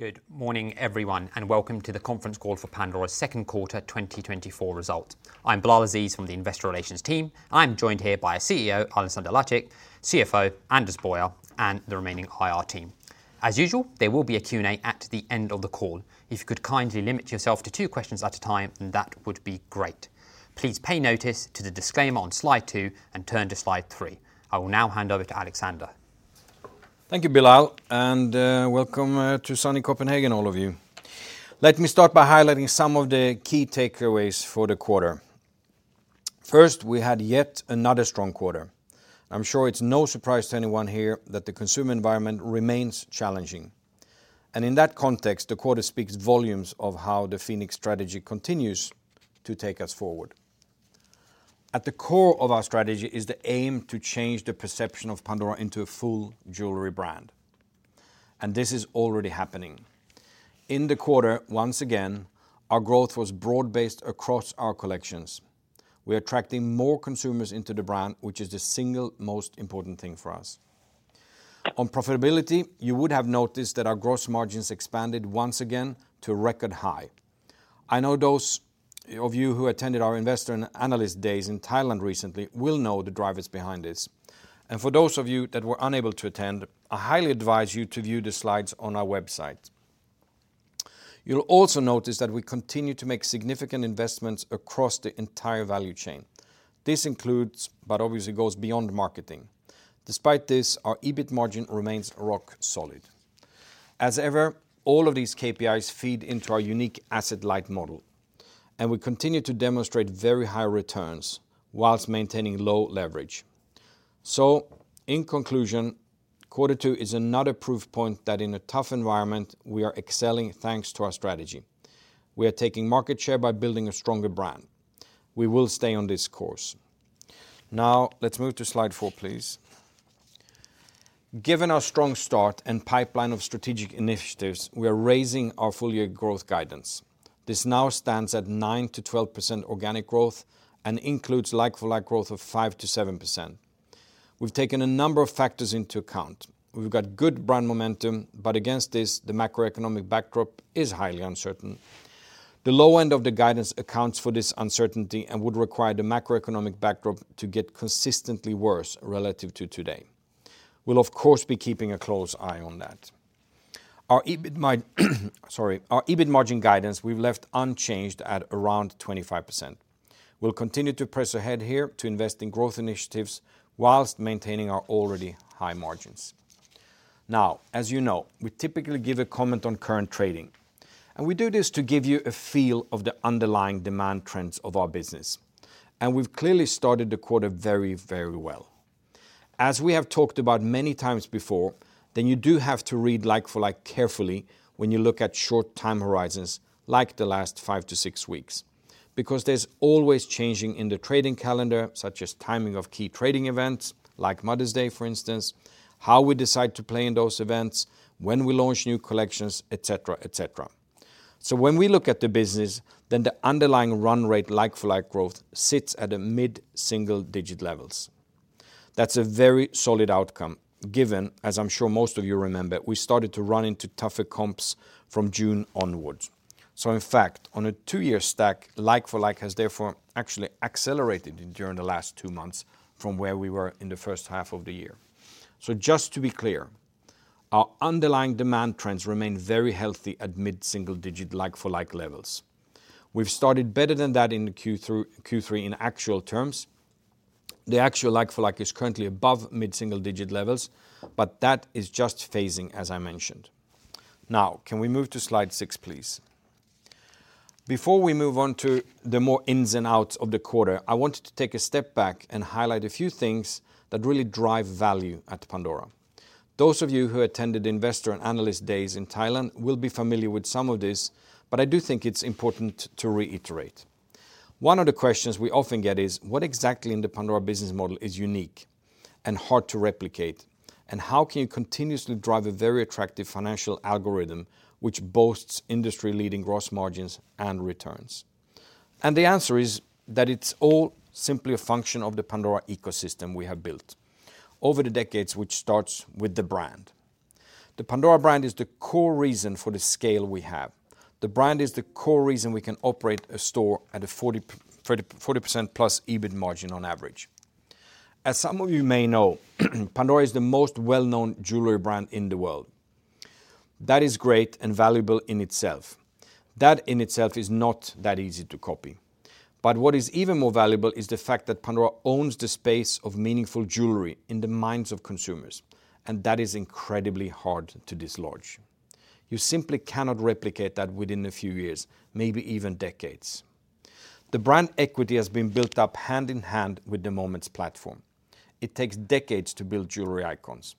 Good morning, everyone, and welcome to the conference call for Pandora's second quarter 2024 result. I'm Bilal Aziz from the Investor Relations team. I'm joined here by CEO, Alexander Lacik; CFO, Anders Boyer; and the remaining IR team. As usual, there will be a Q&A at the end of the call. If you could kindly limit yourself to two questions at a time, then that would be great. Please pay notice to the disclaimer on slide 2 and turn to slide 3. I will now hand over to Alexander. Thank you, Bilal, and welcome to sunny Copenhagen, all of you. Let me start by highlighting some of the key takeaways for the quarter. First, we had yet another strong quarter. I'm sure it's no surprise to anyone here that the consumer environment remains challenging, and in that context, the quarter speaks volumes of how the Phoenix strategy continues to take us forward. At the core of our strategy is the aim to change the perception of Pandora into a full jewelry brand, and this is already happening. In the quarter, once again, our growth was broad-based across our collections. We're attracting more consumers into the brand, which is the single most important thing for us. On profitability, you would have noticed that our gross margins expanded once again to a record high. I know those of you who attended our Investor and Analyst Days in Thailand recently will know the drivers behind this, and for those of you that were unable to attend, I highly advise you to view the slides on our website. You'll also notice that we continue to make significant investments across the entire value chain. This includes, but obviously goes beyond, marketing. Despite this, our EBIT margin remains rock solid. As ever, all of these KPIs feed into our unique asset-light model, and we continue to demonstrate very high returns whilst maintaining low leverage. So in conclusion, quarter two is another proof point that in a tough environment, we are excelling, thanks to our strategy. We are taking market share by building a stronger brand. We will stay on this course. Now, let's move to slide four, please. Given our strong start and pipeline of strategic initiatives, we are raising our full-year growth guidance. This now stands at 9%-12% organic growth and includes like-for-like growth of 5%-7%. We've taken a number of factors into account. We've got good brand momentum, but against this, the macroeconomic backdrop is highly uncertain. The low end of the guidance accounts for this uncertainty and would require the macroeconomic backdrop to get consistently worse relative to today. We'll of course, be keeping a close eye on that. Our EBIT, sorry, our EBIT margin guidance we've left unchanged at around 25%. We'll continue to press ahead here to invest in growth initiatives while maintaining our already high margins. Now, as you know, we typically give a comment on current trading, and we do this to give you a feel of the underlying demand trends of our business, and we've clearly started the quarter very, very well. As we have talked about many times before, then you do have to read like-for-like carefully when you look at short time horizons, like the last five-six weeks, because there's always changing in the trading calendar, such as timing of key trading events like Mother's Day, for instance, how we decide to play in those events, when we launch new collections, et cetera, et cetera. So when we look at the business, then the underlying run rate like-for-like growth sits at the mid-single-digit levels. That's a very solid outcome, given, as I'm sure most of you remember, we started to run into tougher comps from June onwards. So in fact, on a two-year stack, like-for-like has therefore actually accelerated during the last two months from where we were in the first half of the year. So just to be clear, our underlying demand trends remain very healthy at mid-single-digit, like-for-like levels. We've started better than that in Q3 in actual terms. The actual like-for-like is currently above mid-single-digit levels, but that is just phasing, as I mentioned. Now, can we move to slide six, please? Before we move on to the more ins and outs of the quarter, I wanted to take a step back and highlight a few things that really drive value at Pandora. Those of you who attended Investor and Analyst Days in Thailand will be familiar with some of this, but I do think it's important to reiterate. One of the questions we often get is, "What exactly in the Pandora business model is unique and hard to replicate, and how can you continuously drive a very attractive financial algorithm which boasts industry-leading gross margins and returns?" The answer is that it's all simply a function of the Pandora ecosystem we have built over the decades, which starts with the brand. The Pandora brand is the core reason for the scale we have. The brand is the core reason we can operate a store at a 40, 40, 40%+ EBIT margin on average. As some of you may know, Pandora is the most well-known jewelry brand in the world. That is great and valuable in itself. That in itself is not that easy to copy. But what is even more valuable is the fact that Pandora owns the space of meaningful jewelry in the minds of consumers, and that is incredibly hard to dislodge. You simply cannot replicate that within a few years, maybe even decades. The brand equity has been built up hand in hand with the Moments platform. It takes decades to build jewelry icons.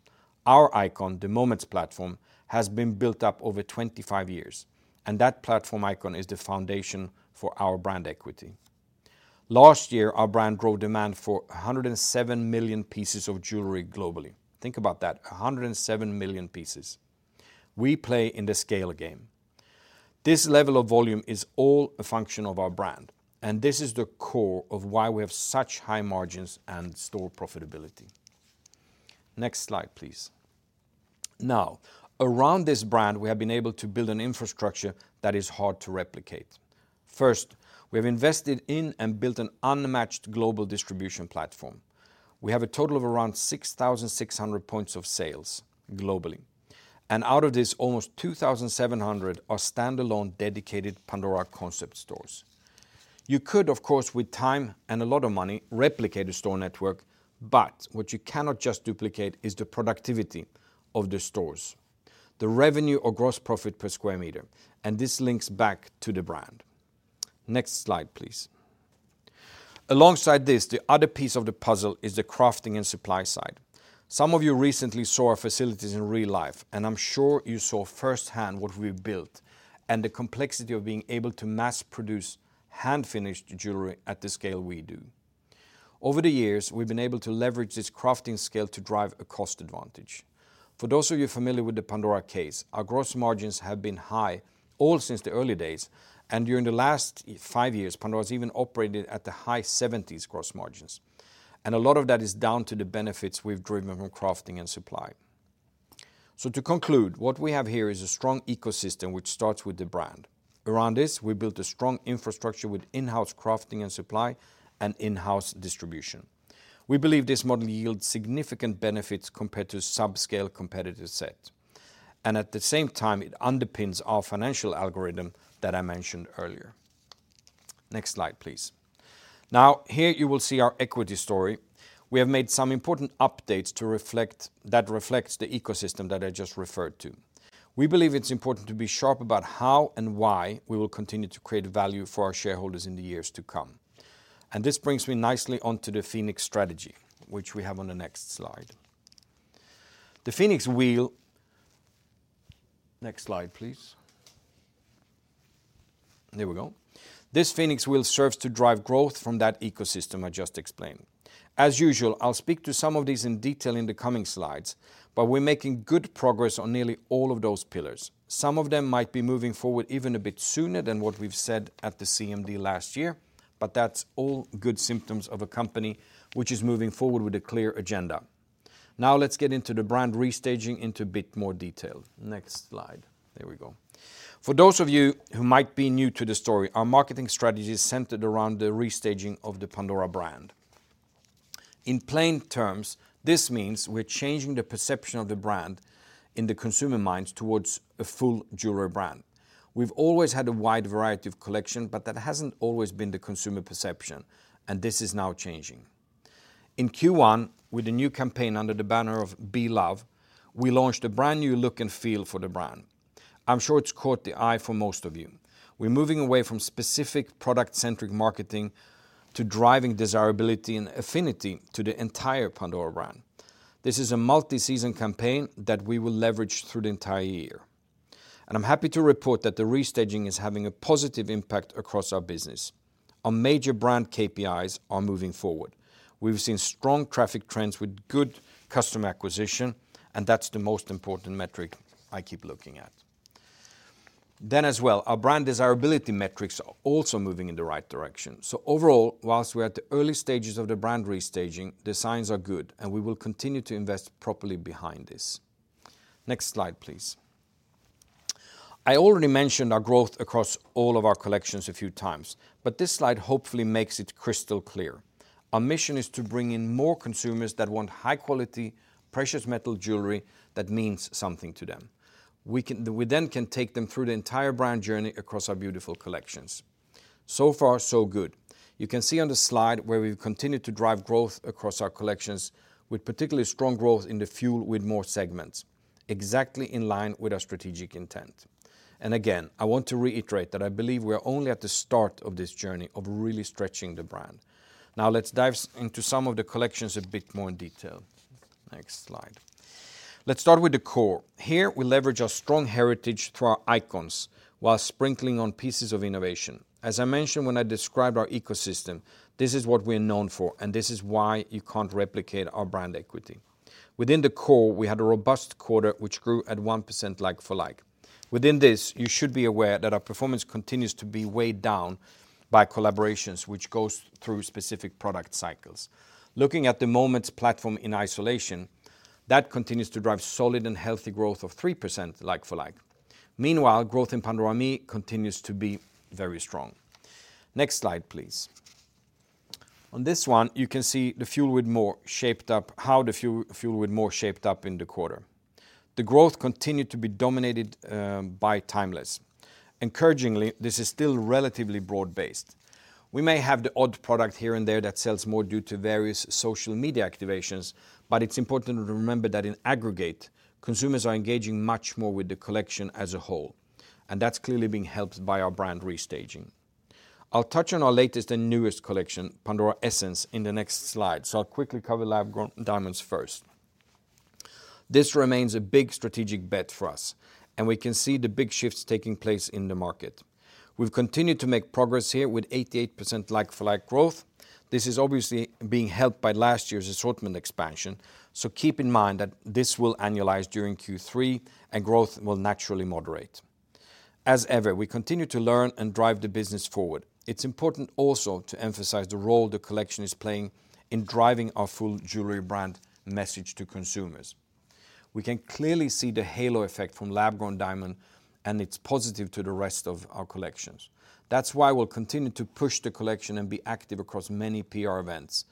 Our icon, the Moments platform, has been built up over 25 years, and that platform icon is the foundation for our brand equity. Last year, our brand drove demand for 107 million pieces of jewelry globally. Think about that, 107 million pieces. We play in the scale game. This level of volume is all a function of our brand, and this is the core of why we have such high margins and store profitability. Next slide, please. Now, around this brand, we have been able to build an infrastructure that is hard to replicate. First, we have invested in and built an unmatched global distribution platform. We have a total of around 6,600 points of sales globally, and out of this, almost 2,700 are standalone, dedicated Pandora concept stores. You could, of course, with time and a lot of money, replicate a store network, but what you cannot just duplicate is the productivity of the stores, the revenue or gross profit per sq m, and this links back to the brand. Next slide, please. Alongside this, the other piece of the puzzle is the crafting and supply side. Some of you recently saw our facilities in real life, and I'm sure you saw firsthand what we've built and the complexity of being able to mass produce hand-finished jewelry at the scale we do. Over the years, we've been able to leverage this crafting scale to drive a cost advantage. For those of you familiar with the Pandora case, our gross margins have been high all since the early days, and during the last five years, Pandora has even operated at the high 70% gross margins, and a lot of that is down to the benefits we've driven from crafting and supply. To conclude, what we have here is a strong ecosystem, which starts with the brand. Around this, we built a strong infrastructure with in-house crafting and supply and in-house distribution. We believe this model yields significant benefits compared to subscale competitive set, and at the same time, it underpins our financial algorithm that I mentioned earlier. Next slide, please. Now, here you will see our equity story. We have made some important updates to reflect that reflects the ecosystem that I just referred to. We believe it's important to be sharp about how and why we will continue to create value for our shareholders in the years to come. And this brings me nicely onto the Phoenix strategy, which we have on the next slide. The Phoenix wheel... Next slide, please. There we go. This Phoenix wheel serves to drive growth from that ecosystem I just explained. As usual, I'll speak to some of these in detail in the coming slides, but we're making good progress on nearly all of those pillars. Some of them might be moving forward even a bit sooner than what we've said at the CMD last year, but that's all good symptoms of a company which is moving forward with a clear agenda. Now, let's get into the brand restaging into a bit more detail. Next slide. There we go. For those of you who might be new to the story, our marketing strategy is centered around the restaging of the Pandora brand. In plain terms, this means we're changing the perception of the brand in the consumers' minds towards a full jewelry brand. We've always had a wide variety of collections, but that hasn't always been the consumer perception, and this is now changing. In Q1, with the new campaign under the banner of BE LOVE, we launched a brand-new look and feel for the brand. I'm sure it's caught the eye of most of you. We're moving away from specific product-centric marketing to driving desirability and affinity to the entire Pandora brand. This is a multi-season campaign that we will leverage through the entire year. I'm happy to report that the restaging is having a positive impact across our business. Our major brand KPIs are moving forward. We've seen strong traffic trends with good customer acquisition, and that's the most important metric I keep looking at. Then as well, our brand desirability metrics are also moving in the right direction. So overall, while we're at the early stages of the brand restaging, the signs are good, and we will continue to invest properly behind this. Next slide, please. I already mentioned our growth across all of our collections a few times, but this slide hopefully makes it crystal clear. Our mission is to bring in more consumers that want high-quality, precious metal jewelry that means something to them. We then can take them through the entire brand journey across our beautiful collections. So far, so good. You can see on the slide where we've continued to drive growth across our collections, with particularly strong growth in the Fuel with More segments, exactly in line with our strategic intent. And again, I want to reiterate that I believe we are only at the start of this journey of really stretching the brand. Now, let's dive into some of the collections a bit more in detail. Next slide. Let's start with the core. Here, we leverage our strong heritage through our icons, while sprinkling on pieces of innovation. As I mentioned when I described our ecosystem, this is what we're known for, and this is why you can't replicate our brand equity. Within the core, we had a robust quarter, which grew at 1% like-for-like. Within this, you should be aware that our performance continues to be weighed down by collaborations, which goes through specific product cycles. Looking at the Moments platform in isolation, that continues to drive solid and healthy growth of 3% like-for-like. Meanwhile, growth in Pandora ME continues to be very strong. Next slide, please. On this one, you can see the Fuel with More shaped up, how the Fuel, Fuel with More shaped up in the quarter. The growth continued to be dominated by Timeless. Encouragingly, this is still relatively broad-based. We may have the odd product here and there that sells more due to various social media activations, but it's important to remember that in aggregate, consumers are engaging much more with the collection as a whole, and that's clearly being helped by our brand restaging. I'll touch on our latest and newest collection, Pandora Essence, in the next slide, so I'll quickly cover lab-grown diamonds first. This remains a big strategic bet for us, and we can see the big shifts taking place in the market. We've continued to make progress here with 88% like-for-like growth. This is obviously being helped by last year's assortment expansion, so keep in mind that this will annualize during Q3, and growth will naturally moderate. As ever, we continue to learn and drive the business forward. It's important also to emphasize the role the collection is playing in driving our full jewelry brand message to consumers. We can clearly see the halo effect from lab-grown diamond, and it's positive to the rest of our collections. That's why we'll continue to push the collection and be active across many PR events.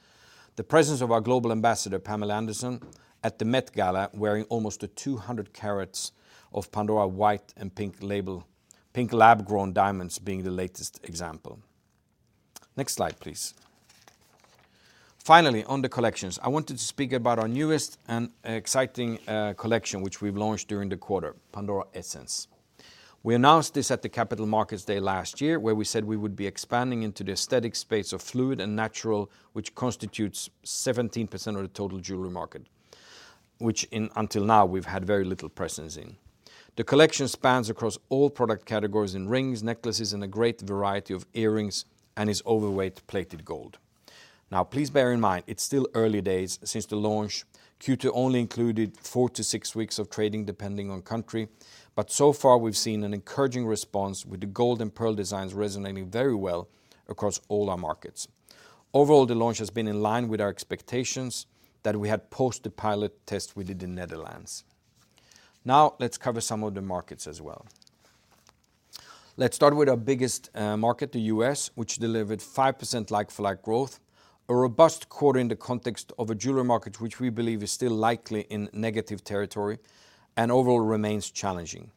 The presence of our global ambassador, Pamela Anderson, at the Met Gala, wearing almost 200 carats of Pandora white and pink lab-grown diamonds, being the latest example. Next slide, please. Finally, on the collections, I wanted to speak about our newest and exciting collection, which we've launched during the quarter, Pandora Essence. We announced this at the Capital Markets Day last year, where we said we would be expanding into the aesthetic space of fluid and natural, which constitutes 17% of the total jewelry market, which, until now, we've had very little presence in. The collection spans across all product categories in rings, necklaces, and a great variety of earrings, and is overweight plated gold. Now, please bear in mind, it's still early days since the launch. Q2 only included four-six weeks of trading, depending on country. But so far, we've seen an encouraging response with the gold and pearl designs resonating very well across all our markets. Overall, the launch has been in line with our expectations that we had post the pilot test we did in Netherlands. Now, let's cover some of the markets as well. Let's start with our biggest market, the U.S., which delivered 5% like-for-like growth, a robust quarter in the context of a jewelry market, which we believe is still likely in negative territory and overall remains challenging.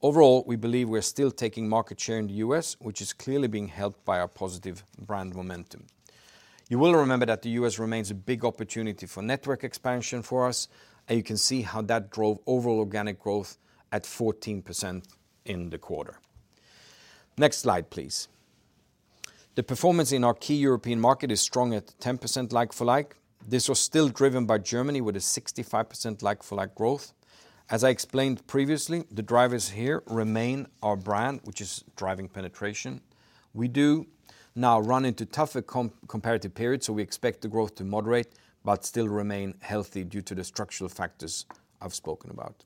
Overall, we believe we're still taking market share in the U.S., which is clearly being helped by our positive brand momentum. You will remember that the U.S. remains a big opportunity for network expansion for us, and you can see how that drove overall organic growth at 14% in the quarter. Next slide, please. The performance in our key European market is strong at 10% like-for-like. This was still driven by Germany, with a 65% like-for-like growth. As I explained previously, the drivers here remain our brand, which is driving penetration. We do now run into tougher comparative periods, so we expect the growth to moderate, but still remain healthy due to the structural factors I've spoken about.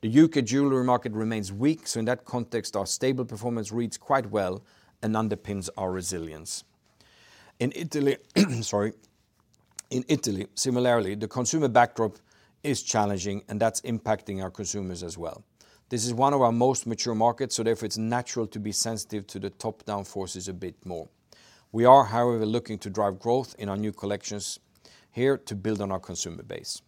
The U.K. jewelry market remains weak, so in that context, our stable performance reads quite well and underpins our resilience. In Italy, sorry. In Italy, similarly, the consumer backdrop is challenging, and that's impacting our consumers as well. This is one of our most mature markets, so therefore, it's natural to be sensitive to the top-down forces a bit more. We are, however, looking to drive growth in our new collections here to build on our consumer base.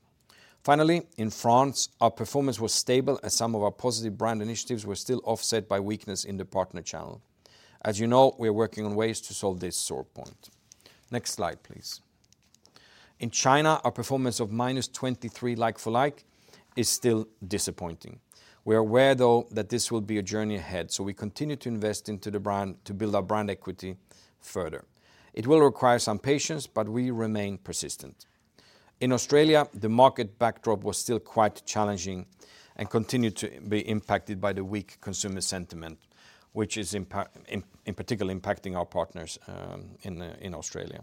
Finally, in France, our performance was stable, as some of our positive brand initiatives were still offset by weakness in the partner channel. As you know, we're working on ways to solve this sore point. Next slide, please. In China, our performance of -23% like-for-like is still disappointing. We are aware, though, that this will be a journey ahead, so we continue to invest into the brand to build our brand equity further. It will require some patience, but we remain persistent. In Australia, the market backdrop was still quite challenging and continued to be impacted by the weak consumer sentiment, which is impacting, in particular, our partners in Australia.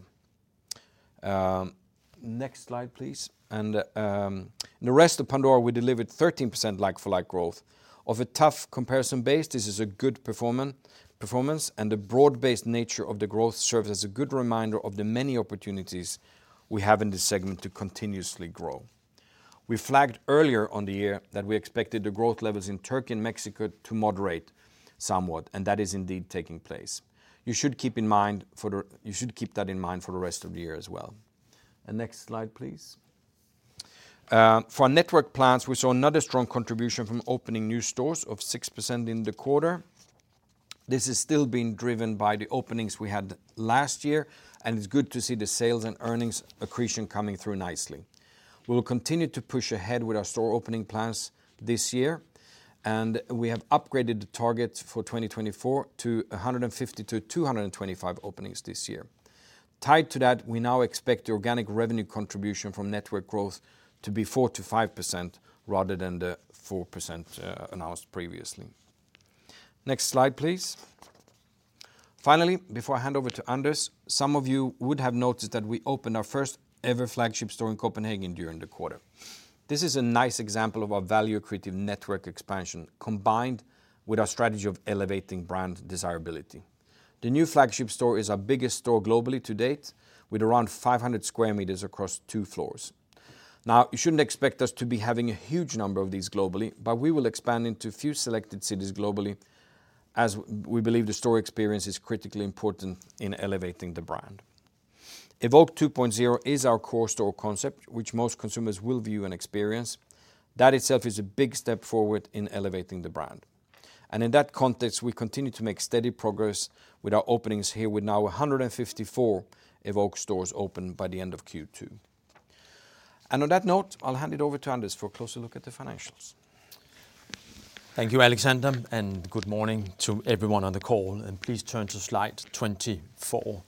Next slide, please. In the rest of Pandora, we delivered 13% like-for-like growth. Of a tough comparison base, this is a good performance, and the broad-based nature of the growth serves as a good reminder of the many opportunities we have in this segment to continuously grow. We flagged earlier on the year that we expected the growth levels in Turkey and Mexico to moderate somewhat, and that is indeed taking place. You should keep that in mind for the rest of the year as well. Next slide, please. For our network plans, we saw another strong contribution from opening new stores of 6% in the quarter. This is still being driven by the openings we had last year, and it's good to see the sales and earnings accretion coming through nicely. We will continue to push ahead with our store opening plans this year, and we have upgraded the target for 2024 to 150-225 openings this year. Tied to that, we now expect the organic revenue contribution from network growth to be 4%-5%, rather than the 4%, announced previously. Next slide, please. Finally, before I hand over to Anders, some of you would have noticed that we opened our first-ever flagship store in Copenhagen during the quarter. This is a nice example of our value accretive network expansion, combined with our strategy of elevating brand desirability. The new flagship store is our biggest store globally to date, with around 500 sq m across two floors. Now, you shouldn't expect us to be having a huge number of these globally, but we will expand into a few selected cities globally, as we believe the store experience is critically important in elevating the brand. Evoke 2.0 is our core store concept, which most consumers will view and experience. That itself is a big step forward in elevating the brand. And in that context, we continue to make steady progress with our openings here, with now 154 Evoke stores open by the end of Q2. And on that note, I'll hand it over to Anders for a closer look at the financials. Thank you, Alexander, and good morning to everyone on the call, and please turn to slide 24.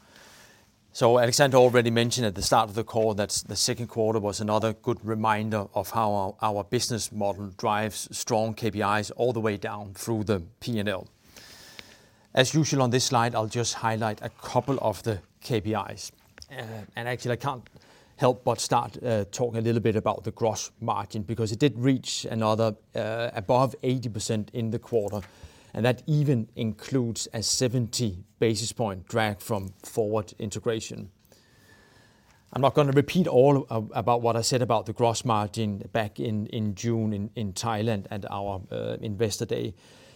So Alexander already mentioned at the start of the call that the second quarter was another good reminder of how our business model drives strong KPIs all the way down through the P&L. As usual, on this slide, I'll just highlight a couple of the KPIs. And actually, I can't help but start talking a little bit about the gross margin, because it did reach another above 80% in the quarter, and that even includes a 70-basis point drag from forward integration. I'm not gonna repeat all of about what I said about the gross margin back in June in Thailand at our Investor Day.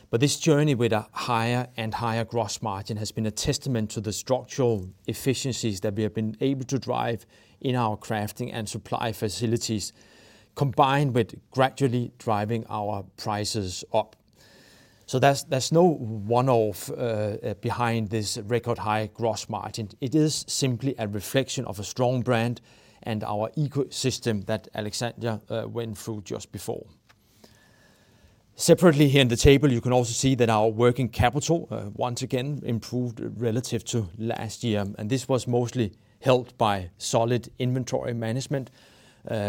But this journey with a higher and higher gross margin has been a testament to the structural efficiencies that we have been able to drive in our crafting and supply facilities, combined with gradually driving our prices up. So there's no one-off behind this record-high gross margin. It is simply a reflection of a strong brand and our ecosystem that Alexander went through just before. Separately, here in the table, you can also see that our working capital once again improved relative to last year, and this was mostly helped by solid inventory management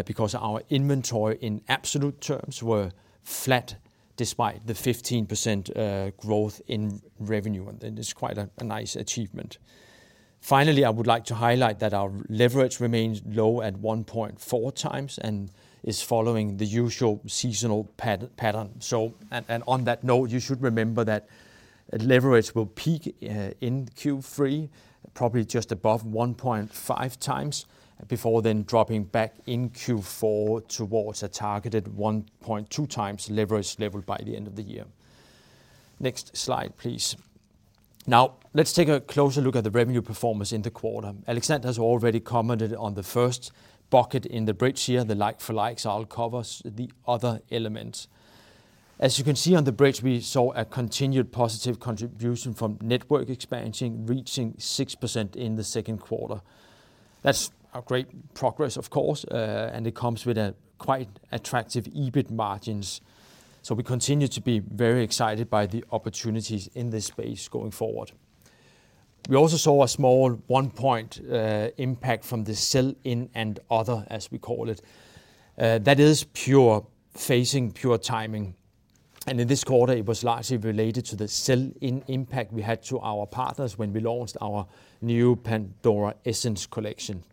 because our inventory in absolute terms were flat despite the 15% growth in revenue, and it is quite a nice achievement. Finally, I would like to highlight that our leverage remains low at 1.4x and is following the usual seasonal pattern. So, on that note, you should remember that leverage will peak in Q3, probably just above 1.5 times, before then dropping back in Q4 towards a targeted 1.2 times leverage level by the end of the year. Next slide, please. Now, let's take a closer look at the revenue performance in the quarter. Alexander has already commented on the first bucket in the bridge here, the like-for-like. I'll cover the other elements. As you can see on the bridge, we saw a continued positive contribution from network expansion, reaching 6% in the second quarter. That's a great progress, of course, and it comes with quite attractive EBIT margins, so we continue to be very excited by the opportunities in this space going forward. We also saw a small 1-point impact from the sell-in and other, as we call it. That is pure phasing, pure timing, and in this quarter, it was largely related to the sell-in impact we had to our partners when we launched our new Pandora Essence collection.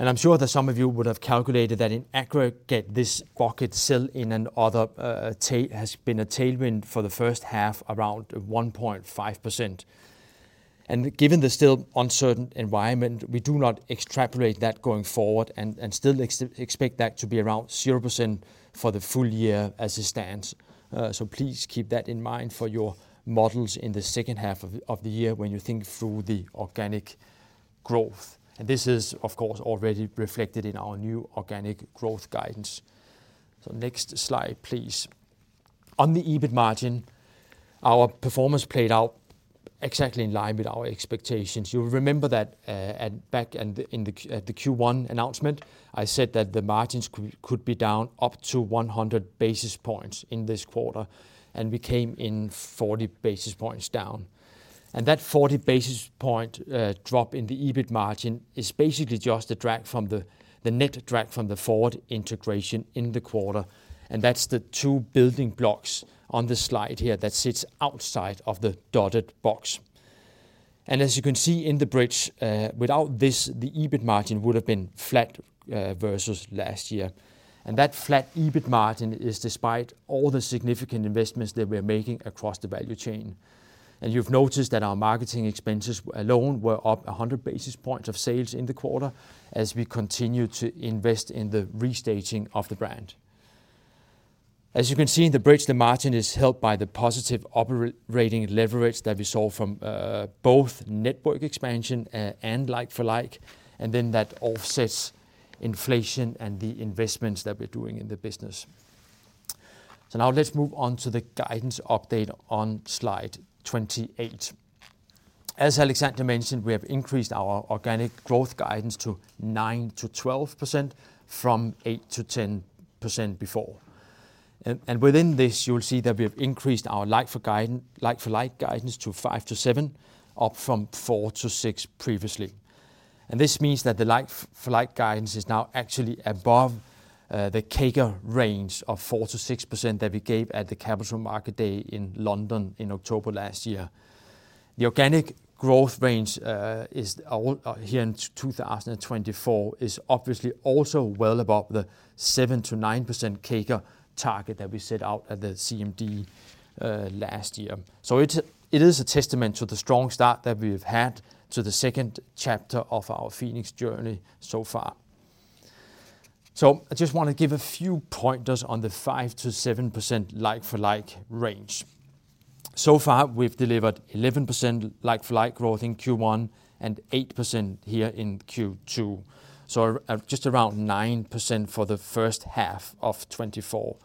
And I'm sure that some of you would have calculated that in aggregate, this bucket, sell-in and other, has been a tailwind for the first half, around 1.5%. And given the still uncertain environment, we do not extrapolate that going forward and still expect that to be around 0% for the full year as it stands. So please keep that in mind for your models in the second half of the year when you think through the organic growth. And this is, of course, already reflected in our new organic growth guidance. So next slide, please. On the EBIT margin, our performance played out exactly in line with our expectations. You'll remember that, at the Q1 announcement, I said that the margins could be down up to 100 basis points in this quarter, and we came in 40 basis points down. And that 40-basis point drop in the EBIT margin is basically just a drag from, the net drag from the forward integration in the quarter, and that's the two building blocks on the slide here that sits outside of the dotted box. And as you can see in the bridge, without this, the EBIT margin would have been flat versus last year. And that flat EBIT margin is despite all the significant investments that we're making across the value chain. And you've noticed that our marketing expenses alone were up 100 basis points of sales in the quarter as we continue to invest in the restaging of the brand. As you can see in the bridge, the margin is helped by the positive operating leverage that we saw from both network expansion and like-for-like, and then that offsets inflation and the investments that we're doing in the business. So now let's move on to the guidance update on slide 28. As Alexander mentioned, we have increased our organic growth guidance to 9%-12% from 8%-10% before. And within this, you will see that we have increased our like-for-like guidance to 5%-7%, up from 4%-6% previously. This means that the like-for-like guidance is now actually above the CAGR range of 4%-6% that we gave at the Capital Markets Day in London in October last year. The organic growth range is, here in 2024, is obviously also well above the 7%-9% CAGR target that we set out at the CMD last year. So it's a testament to the strong start that we've had to the second chapter of our Phoenix journey so far. I just want to give a few pointers on the 5%-7% like-for-like range. So far, we've delivered 11% like-for-like growth in Q1 and 8% here in Q2, so at just around 9% for the first half of 2024.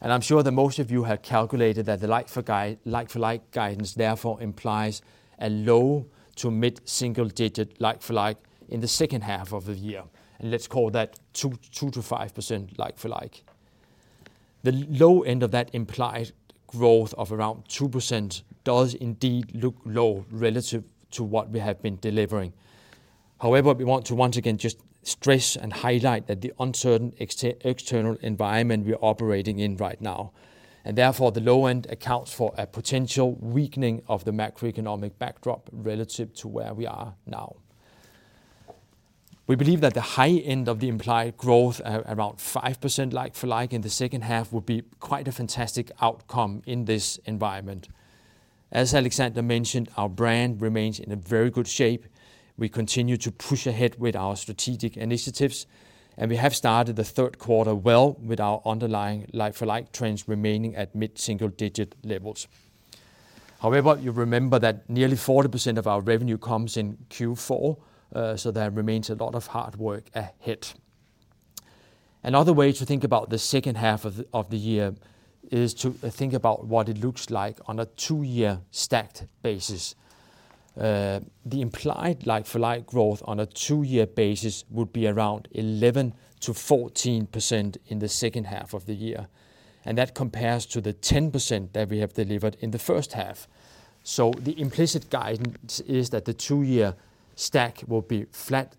And I'm sure that most of you have calculated that the like-for-like guidance therefore implies a low- to mid-single-digit like-for-like in the second half of the year, and let's call that 2%-5% like-for-like. The low end of that implied growth of around 2% does indeed look low relative to what we have been delivering. However, we want to once again just stress and highlight that the uncertain external environment we are operating in right now, and therefore, the low end accounts for a potential weakening of the macroeconomic backdrop relative to where we are now. We believe that the high end of the implied growth, at around 5% like-for-like in the second half, would be quite a fantastic outcome in this environment. As Alexander mentioned, our brand remains in a very good shape. We continue to push ahead with our strategic initiatives, and we have started the third quarter well, with our underlying like-for-like trends remaining at mid-single digit levels. However, you remember that nearly 40% of our revenue comes in Q4, so there remains a lot of hard work ahead. Another way to think about the second half of the year is to think about what it looks like on a two-year stacked basis. The implied like-for-like growth on a two-year basis would be around 11%-14% in the second half of the year, and that compares to the 10% that we have delivered in the first half. So the implicit guidance is that the two-year stack will be flat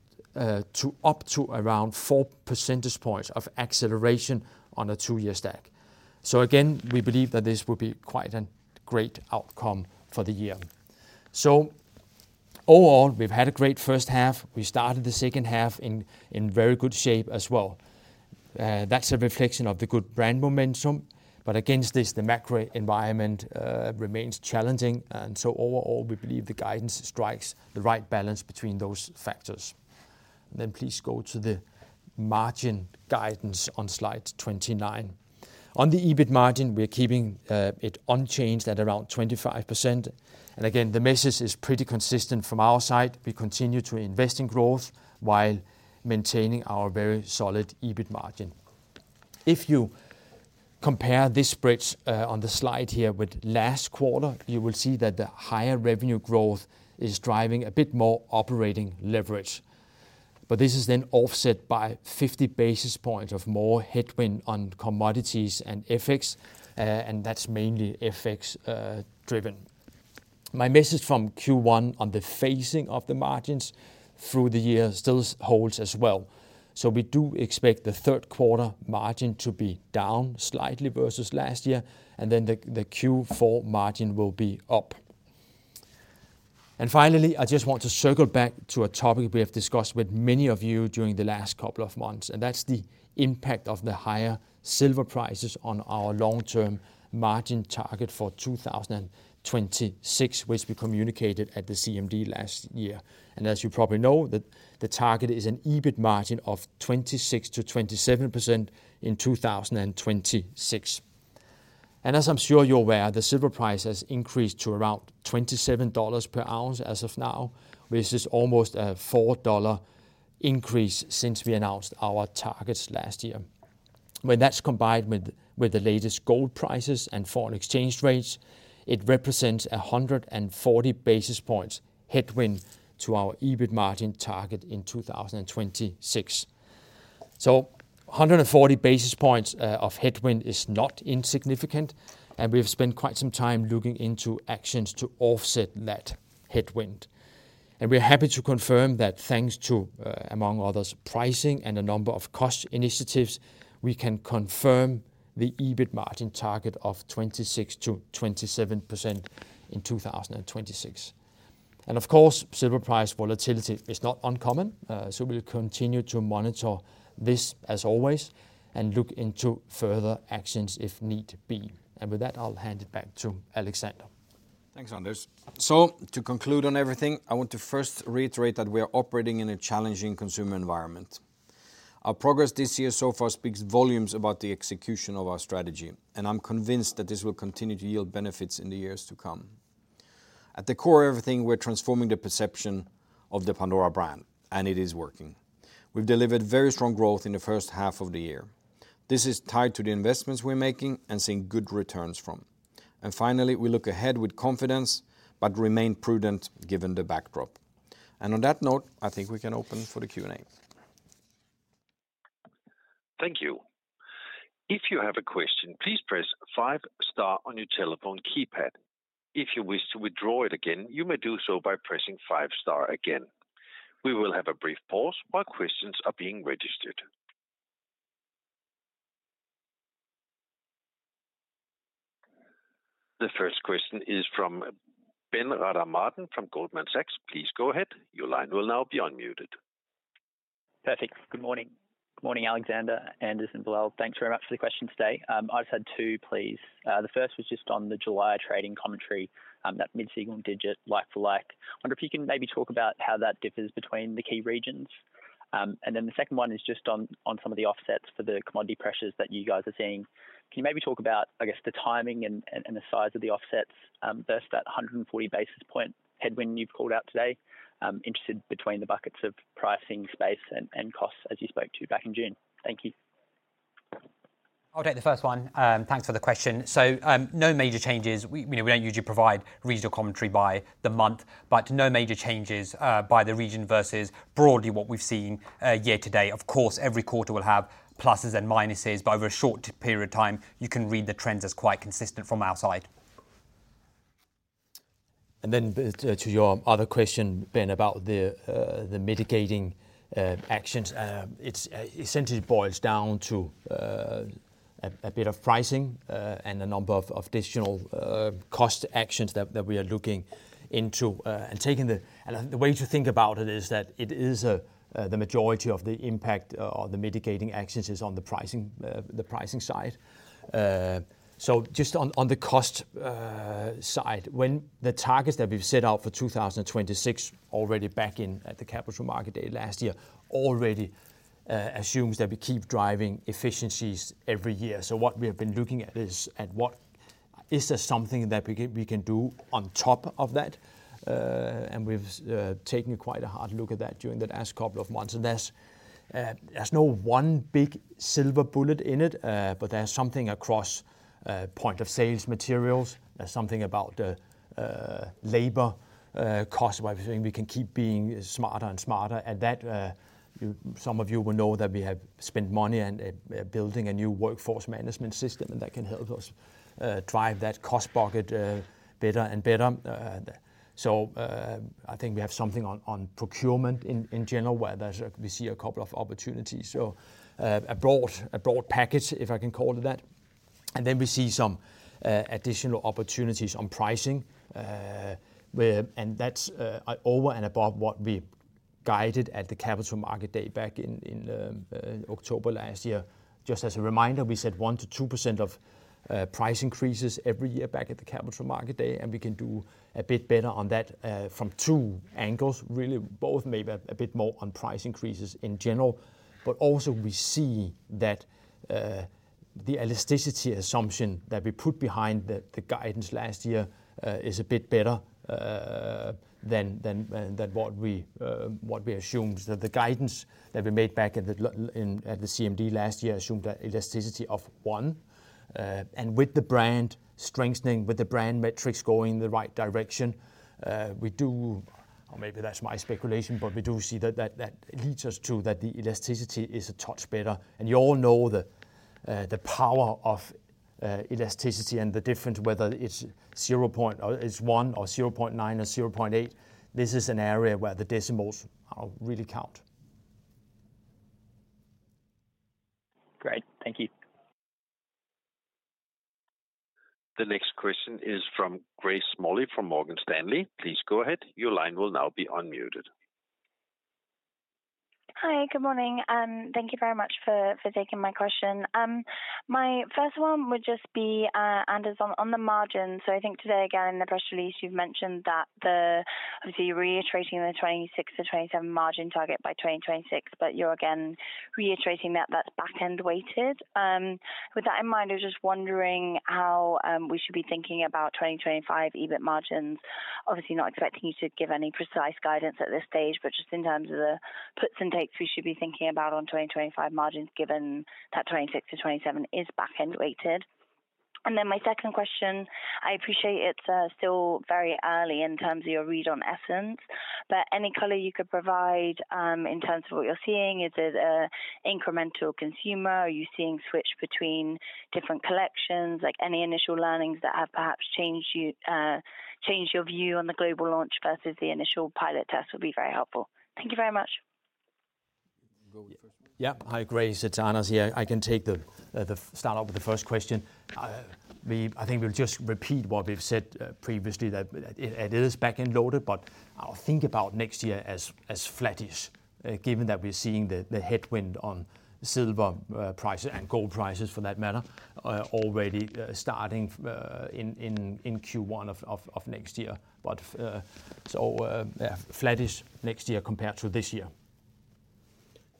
to up to around 4 percentage points of acceleration on a two-year stack. So again, we believe that this will be quite a great outcome for the year. So overall, we've had a great first half. We started the second half in very good shape as well. That's a reflection of the good brand momentum, but against this, the macro environment remains challenging, and so overall, we believe the guidance strikes the right balance between those factors. Then please go to the margin guidance on slide 29. On the EBIT margin, we are keeping it unchanged at around 25%. And again, the message is pretty consistent from our side. We continue to invest in growth while maintaining our very solid EBIT margin. If you compare this bridge on the slide here with last quarter, you will see that the higher revenue growth is driving a bit more operating leverage. But this is then offset by 50 basis points of more headwind on commodities and FX, and that's mainly FX driven. My message from Q1 on the phasing of the margins through the year still holds as well. So we do expect the third quarter margin to be down slightly versus last year, and then the Q4 margin will be up. And finally, I just want to circle back to a topic we have discussed with many of you during the last couple of months, and that's the impact of the higher silver prices on our long-term margin target for 2026, which we communicated at the CMD last year. And as you probably know, the target is an EBIT margin of 26%-27% in 2026. As I'm sure you're aware, the silver price has increased to around $27 per ounce as of now, which is almost a $4 increase since we announced our targets last year. When that's combined with the latest gold prices and foreign exchange rates, it represents 140 basis points headwind to our EBIT margin target in 2026. 140 basis points of headwind is not insignificant, and we've spent quite some time looking into actions to offset that headwind. We're happy to confirm that thanks to, among others, pricing and a number of cost initiatives, we can confirm the EBIT margin target of 26%-27% in 2026. Of course, silver price volatility is not uncommon, so we'll continue to monitor this as always and look into further actions if need be. With that, I'll hand it back to Alexander. Thanks, Anders. To conclude on everything, I want to first reiterate that we are operating in a challenging consumer environment. Our progress this year so far speaks volumes about the execution of our strategy, and I'm convinced that this will continue to yield benefits in the years to come. At the core of everything, we're transforming the perception of the Pandora brand, and it is working. We've delivered very strong growth in the first half of the year. This is tied to the investments we're making and seeing good returns from. Finally, we look ahead with confidence but remain prudent given the backdrop. On that note, I think we can open for the Q&A. Thank you. If you have a question, please press five star on your telephone keypad. If you wish to withdraw it again, you may do so by pressing five star again. We will have a brief pause while questions are being registered. The first question is from Ben Rada Martin from Goldman Sachs. Please go ahead. Your line will now be unmuted. Perfect. Good morning. Good morning, Alexander, Anders, and Bilal. Thanks very much for the question today. I just had two, please. The first was just on the July trading commentary, that mid-single digit like-for-like. I wonder if you can maybe talk about how that differs between the key regions? And then the second one is just on, on some of the offsets for the commodity pressures that you guys are seeing. Can you maybe talk about, I guess, the timing and, and the size of the offsets, versus that 140-basis point headwind you've called out today? I'm interested between the buckets of pricing space and, and costs as you spoke to back in June. Thank you. I'll take the first one. Thanks for the question. So, no major changes. We, you know, we don't usually provide regional commentary by the month, but no major changes by the region versus broadly what we've seen year to date. Of course, every quarter will have pluses and minuses, but over a short period of time, you can read the trends as quite consistent from our side. And then to your other question, Ben, about the mitigating actions, it's essentially boils down to a bit of pricing and a number of additional cost actions that we are looking into. And the way to think about it is that it is the majority of the impact or the mitigating actions is on the pricing, the pricing side. So just on, on the cost, side, when the targets that we've set out for 2026, already back in at the Capital Markets Day last year, already, assumes that we keep driving efficiencies every year. So what we have been looking at is, is there something that we can do on top of that? And we've taken quite a hard look at that during the last couple of months. And there's, there's no one big silver bullet in it, but there's something across, point of sales materials. There's something about the, labor, cost, where we can keep being smarter and smarter at that. Some of you will know that we have spent money on building a new workforce management system, and that can help us drive that cost bucket better and better. I think we have something on procurement in general, where we see a couple of opportunities. A broad package, if I can call it that. And then we see some additional opportunities on pricing, where... And that's over and above what we guided at the Capital Markets Day back in October last year. Just as a reminder, we said 1%-2% of price increases every year back at the Capital Markets Day, and we can do a bit better on that from two angles, really, both maybe a bit more on price increases in general. But also we see that the elasticity assumption that we put behind the guidance last year is a bit better than what we assumed. That the guidance that we made back at the CMD last year assumed an elasticity of 1%. And with the brand strengthening, with the brand metrics going in the right direction, we do, or maybe that's my speculation, but we do see that that leads us to the elasticity is a touch better. And you all know the power of elasticity and the difference, whether it's 0, or it's 1% or 0.9% or 0.8%. This is an area where the decimals really count. Great. Thank you. The next question is from Grace Smalley, from Morgan Stanley. Please go ahead. Your line will now be unmuted. Hi, good morning, and thank you very much for, for taking my question. My first one would just be, Anders, on, on the margin. So I think today, again, in the press release, you've mentioned that the... Obviously, you're reiterating the 26%-27% margin target by 2026, but you're again reiterating that that's back-end weighted. With that in mind, I was just wondering how we should be thinking about 2025 EBIT margins. Obviously, not expecting you to give any precise guidance at this stage, but just in terms of the puts and takes we should be thinking about on 2025 margins, given that 26%-27% is back-end weighted. Then my second question, I appreciate it's still very early in terms of your read on Essence, but any color you could provide in terms of what you're seeing, is it an incremental consumer? Are you seeing switch between different collections? Like, any initial learnings that have perhaps changed your view on the global launch versus the initial pilot test would be very helpful. Thank you very much. Yeah. Hi, Grace, it's Anders here. I can take the start off with the first question. I think we'll just repeat what we've said previously, that it is back-end loaded, but I'll think about next year as flattish, given that we're seeing the headwind on silver prices and gold prices for that matter, already starting in Q1 of next year. But so yeah, flattish next year compared to this year.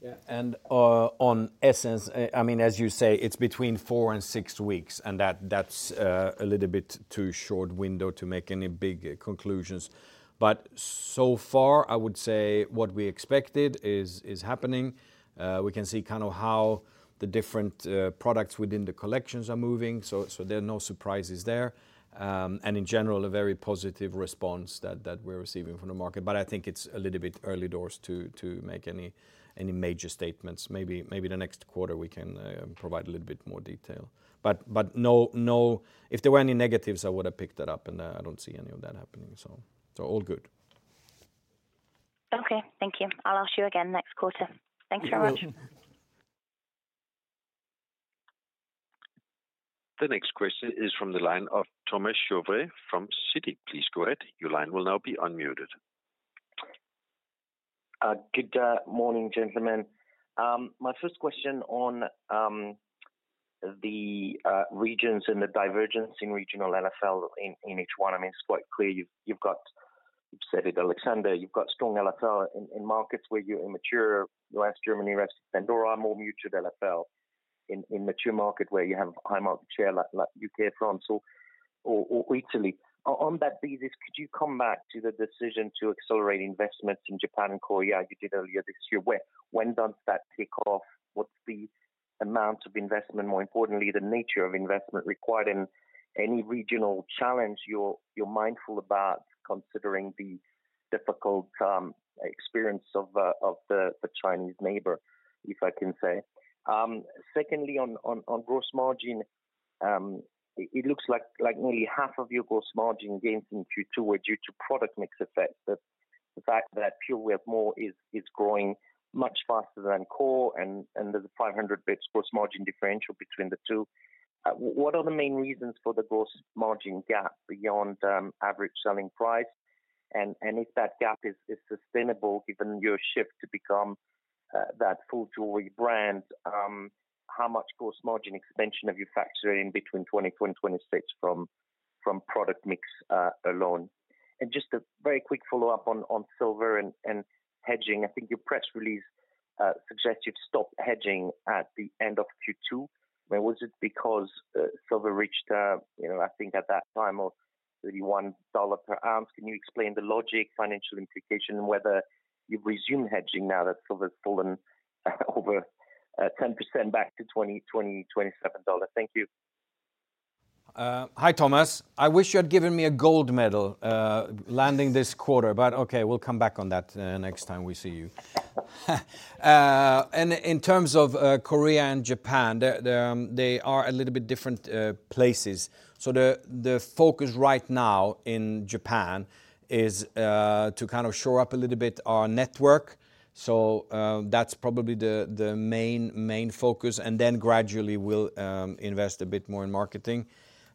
Yeah. And on Essence, I mean, as you say, it's between four and six weeks, and that's a little bit too short window to make any big conclusions. But so far, I would say what we expected is happening. We can see kind of how the different products within the collections are moving, so there are no surprises there. And in general, a very positive response that we're receiving from the market. But I think it's a little bit early doors to make any major statements. Maybe the next quarter we can provide a little bit more detail. But no... If there were any negatives, I would have picked that up, and I don't see any of that happening, so all good. Okay. Thank you. I'll ask you again next quarter. Thanks very much. The next question is from the line of Thomas Chauvet from Citi. Please go ahead. Your line will now be unmuted. Good morning, gentlemen. My first question on the regions and the divergence in regional LFL in H1. I mean, it's quite clear you've got, you've said it, Alexander, you've got strong LFL in markets where you're in mature U.S., Germany, rest of Pandora are more muted LFL in mature market where you have high market share, like U.K., France, or Italy. On that basis, could you come back to the decision to accelerate investments in Japan and Korea, as you did earlier this year? When does that take off? What's the amount of investment, more importantly, the nature of investment required, and any regional challenge you're mindful about considering the difficult experience of the Chinese neighbor, if I can say. Secondly, on gross margin, it looks like nearly half of your gross margin gains in Q2 were due to product mix effects, that the fact that Fuel with More is growing much faster than core, and there's a 500-basis point gross margin differential between the two. What are the main reasons for the gross margin gap beyond average selling price? And if that gap is sustainable, given your shift to become that full jewelry brand, how much gross margin expansion have you factored in between 2026 from product mix alone? And just a very quick follow-up on silver and hedging. I think your press release suggests you've stopped hedging at the end of Q2. But was it because silver reached, you know, I think at that time of $31 per ounce? Can you explain the logic, financial implication, and whether you've resumed hedging now that silver's fallen over 10% back to $20-$27? Thank you. Hi, Thomas. I wish you had given me a gold medal landing this quarter, but okay, we'll come back on that next time we see you. In terms of Korea and Japan, they are a little bit different places. So the focus right now in Japan is to kind of shore up a little bit our network. So that's probably the main focus, and then gradually we'll invest a bit more in marketing.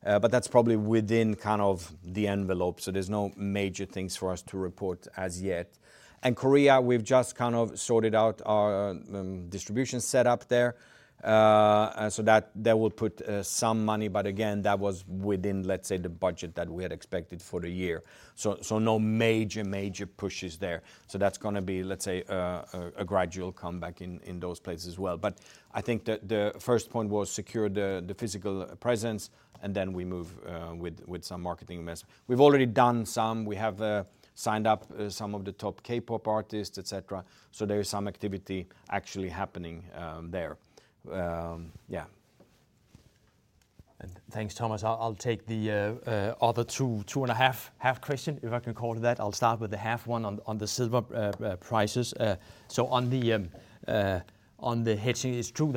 But that's probably within kind of the envelope, so there's no major things for us to report as yet. And Korea, we've just kind of sorted out our distribution set up there. So that will put some money, but again, that was within, let's say, the budget that we had expected for the year. So, so no major, major pushes there. So that's gonna be, let's say, a gradual comeback in those places as well. But I think the first point was secure the physical presence, and then we move with some marketing mess. We've already done some. We have signed up some of the top K-pop artists, et cetera, so there is some activity actually happening there. Yeah. And thanks, Thomas. I'll take the other two-and-a-half questions, if I can call it that. I'll start with the half one on the silver prices. So on the hedging, it's true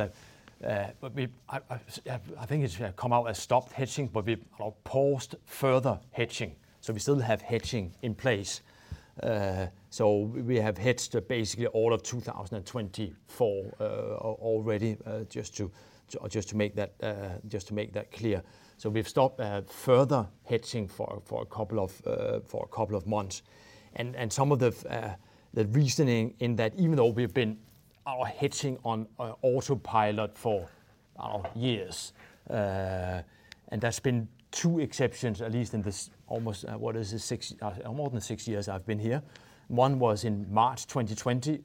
that, but we... I think it's come out as stopped hedging, but we've paused further hedging, so we still have hedging in place. So we have hedged basically all of 2024 already, just to make that clear. So we've stopped further hedging for a couple of months. Some of the reasoning in that, even though we've been hedging on autopilot for years, and there's been two exceptions, at least in this almost—what is this?—more than six years I've been here. One was in March 2020,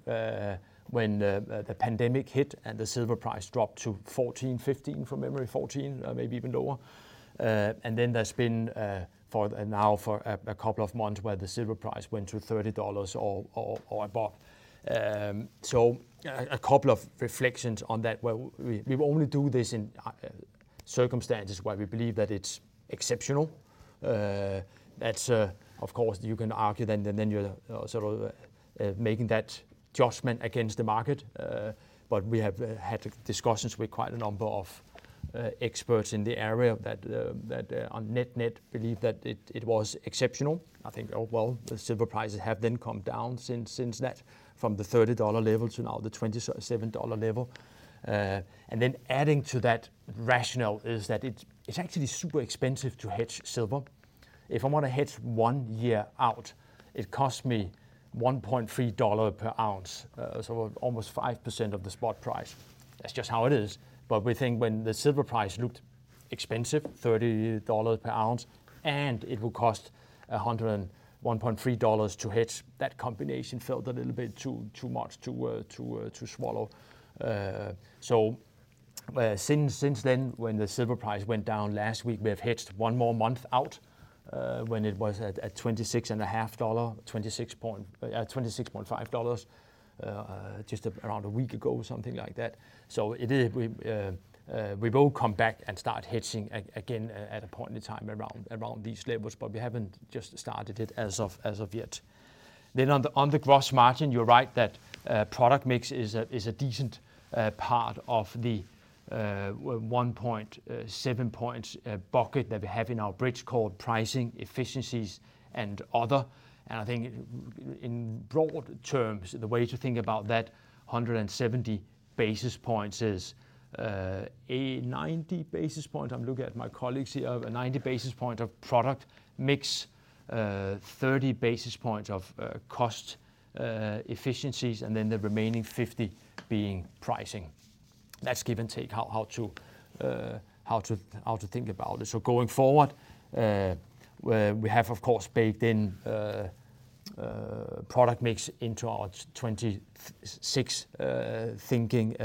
when the pandemic hit and the silver price dropped to $14, $15, from memory, $14, maybe even lower. And then there's been, for now, a couple of months, where the silver price went to $30 or above. So a couple of reflections on that, where we only do this in circumstances where we believe that it's exceptional. That's, of course, you can argue then, and then you're sort of making that judgment against the market. But we have had discussions with quite a number of experts in the area that, that on net-net believe that it, it was exceptional. I think, oh, well, the silver prices have then come down since, since that, from the $30 level to now the $27 level. And then adding to that rationale is that it's, it's actually super expensive to hedge silver. If I want to hedge one year out, it costs me $1.3 per ounce, so almost 5% of the spot price. That's just how it is. But we think when the silver price looked expensive, $30 per ounce, and it would cost $101.3 to hedge, that combination felt a little bit too, too much to, to swallow. So, since then, when the silver price went down last week, we have hedged one more month out, when it was at $26.5, just around a week ago, something like that. So it is, we will come back and start hedging again at a point in time around these levels, but we haven't just started it as of yet. Then on the gross margin, you're right that product mix is a decent part of the 1.7 points bucket that we have in our bridge called pricing efficiencies and other. And I think in broad terms, the way to think about that 170 basis points is, a 90-basis point, I'm looking at my colleagues here, a 90-basis point of product mix, 30 basis points of cost efficiencies, and then the remaining 50 being pricing. That's give and take how to think about it. So going forward, we have, of course, baked in product mix into our 2026 thinking,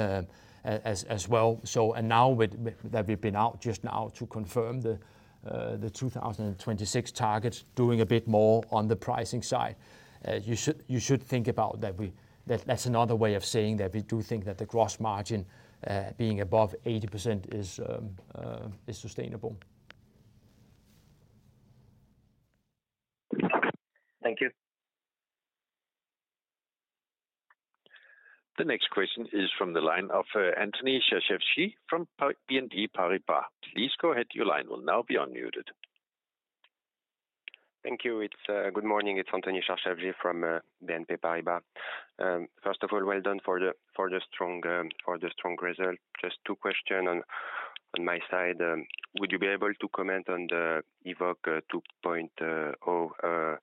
as well. So now with that we've been out just now to confirm the 2026 targets, doing a bit more on the pricing side, you should think about that that's another way of saying that we do think that the gross margin being above 80% is sustainable. Thank you. The next question is from the line of Anthony Charchafji from BNP Paribas. Please go ahead. Your line will now be unmuted. Thank you. Good morning, it's Anthony Charchafji from BNP Paribas. First of all, well done for the strong result. Just two questions on my side. Would you be able to comment on the Evoke 2.0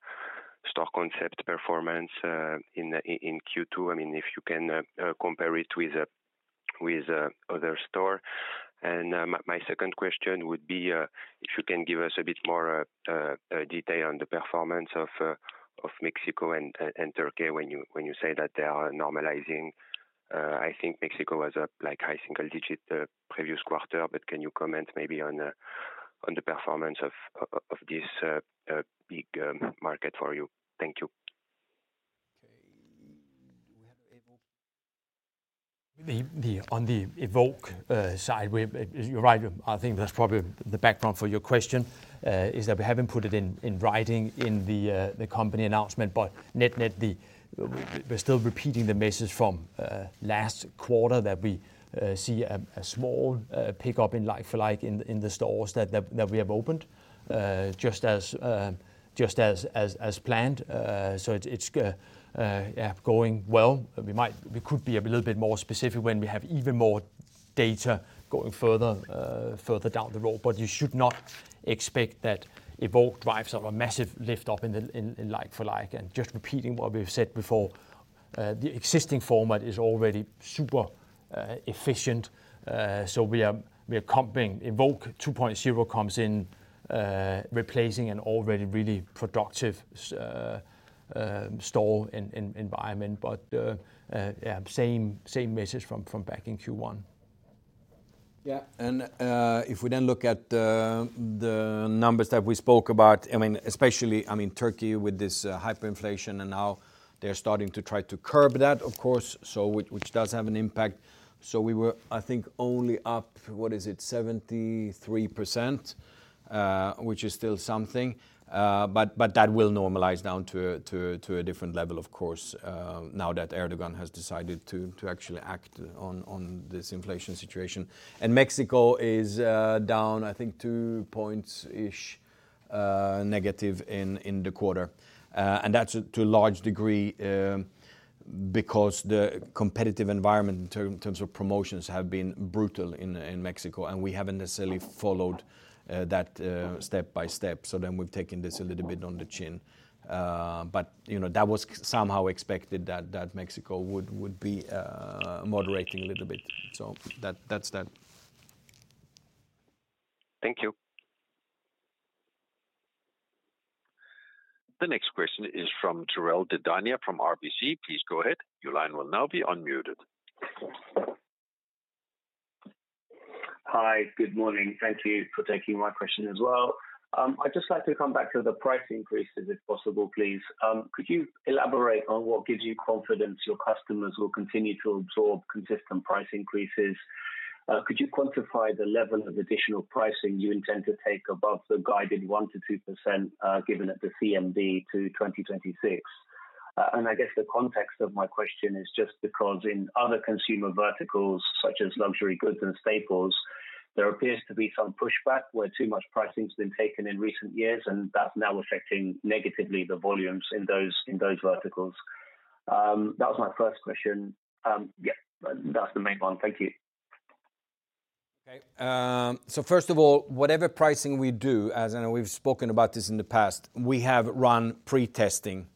store concept performance in Q2? I mean, if you can compare it with other store. And my second question would be, if you can give us a bit more detail on the performance of Mexico and Turkey, when you say that they are normalizing. I think Mexico was like high-single-digit previous quarter, but can you comment maybe on the performance of this big market for you? Thank you. Okay. We have Evoke. On the Evoke side, we've, you're right. I think that's probably the background for your question is that we haven't put it in writing in the company announcement, but net-net, we're still repeating the message from last quarter, that we see a small pickup in like-for-like in the stores that we have opened just as planned. So it's, yeah, going well. We might, we could be a little bit more specific when we have even more data going further down the road, but you should not expect that Evoke drives up a massive lift off in the like-for-like. And just repeating what we've said before, the existing format is already super efficient. So we are coming... Evoke 2.0 comes in, replacing an already really productive store environment, but yeah, same message from back in Q1. Yeah, and if we then look at the numbers that we spoke about, I mean, especially, I mean, Turkey with this hyperinflation, and now they're starting to try to curb that, of course, so which does have an impact. So we were, I think, only up, what is it? 73%, which is still something, but that will normalize down to a different level, of course, now that Erdoğan has decided to actually act on this inflation situation. And Mexico is down, I think, -2 points-ish in the quarter. And that's to a large degree because the competitive environment in terms of promotions have been brutal in Mexico, and we haven't necessarily followed that step by step. So then we've taken this a little bit on the chin. But, you know, that was somehow expected that Mexico would be moderating a little bit. So that's that. Thank you. ]The next question is from Piral Dadhania from RBC. Please go ahead. Your line will now be unmuted. Hi, good morning. Thank you for taking my question as well. I'd just like to come back to the price increases, if possible, please. Could you elaborate on what gives you confidence your customers will continue to absorb consistent price increases? Could you quantify the level of additional pricing you intend to take above the guided 1%-2%, given at the CMD to 2026? And I guess the context of my question is just because in other consumer verticals, such as luxury goods and staples, there appears to be some pushback where too much pricing's been taken in recent years, and that's now affecting negatively the volumes in those, in those verticals. That was my first question. Yeah, that's the main one. Thank you. Okay. So first of all, whatever pricing we do, as I know we've spoken about this in the past, we have run pre-testing.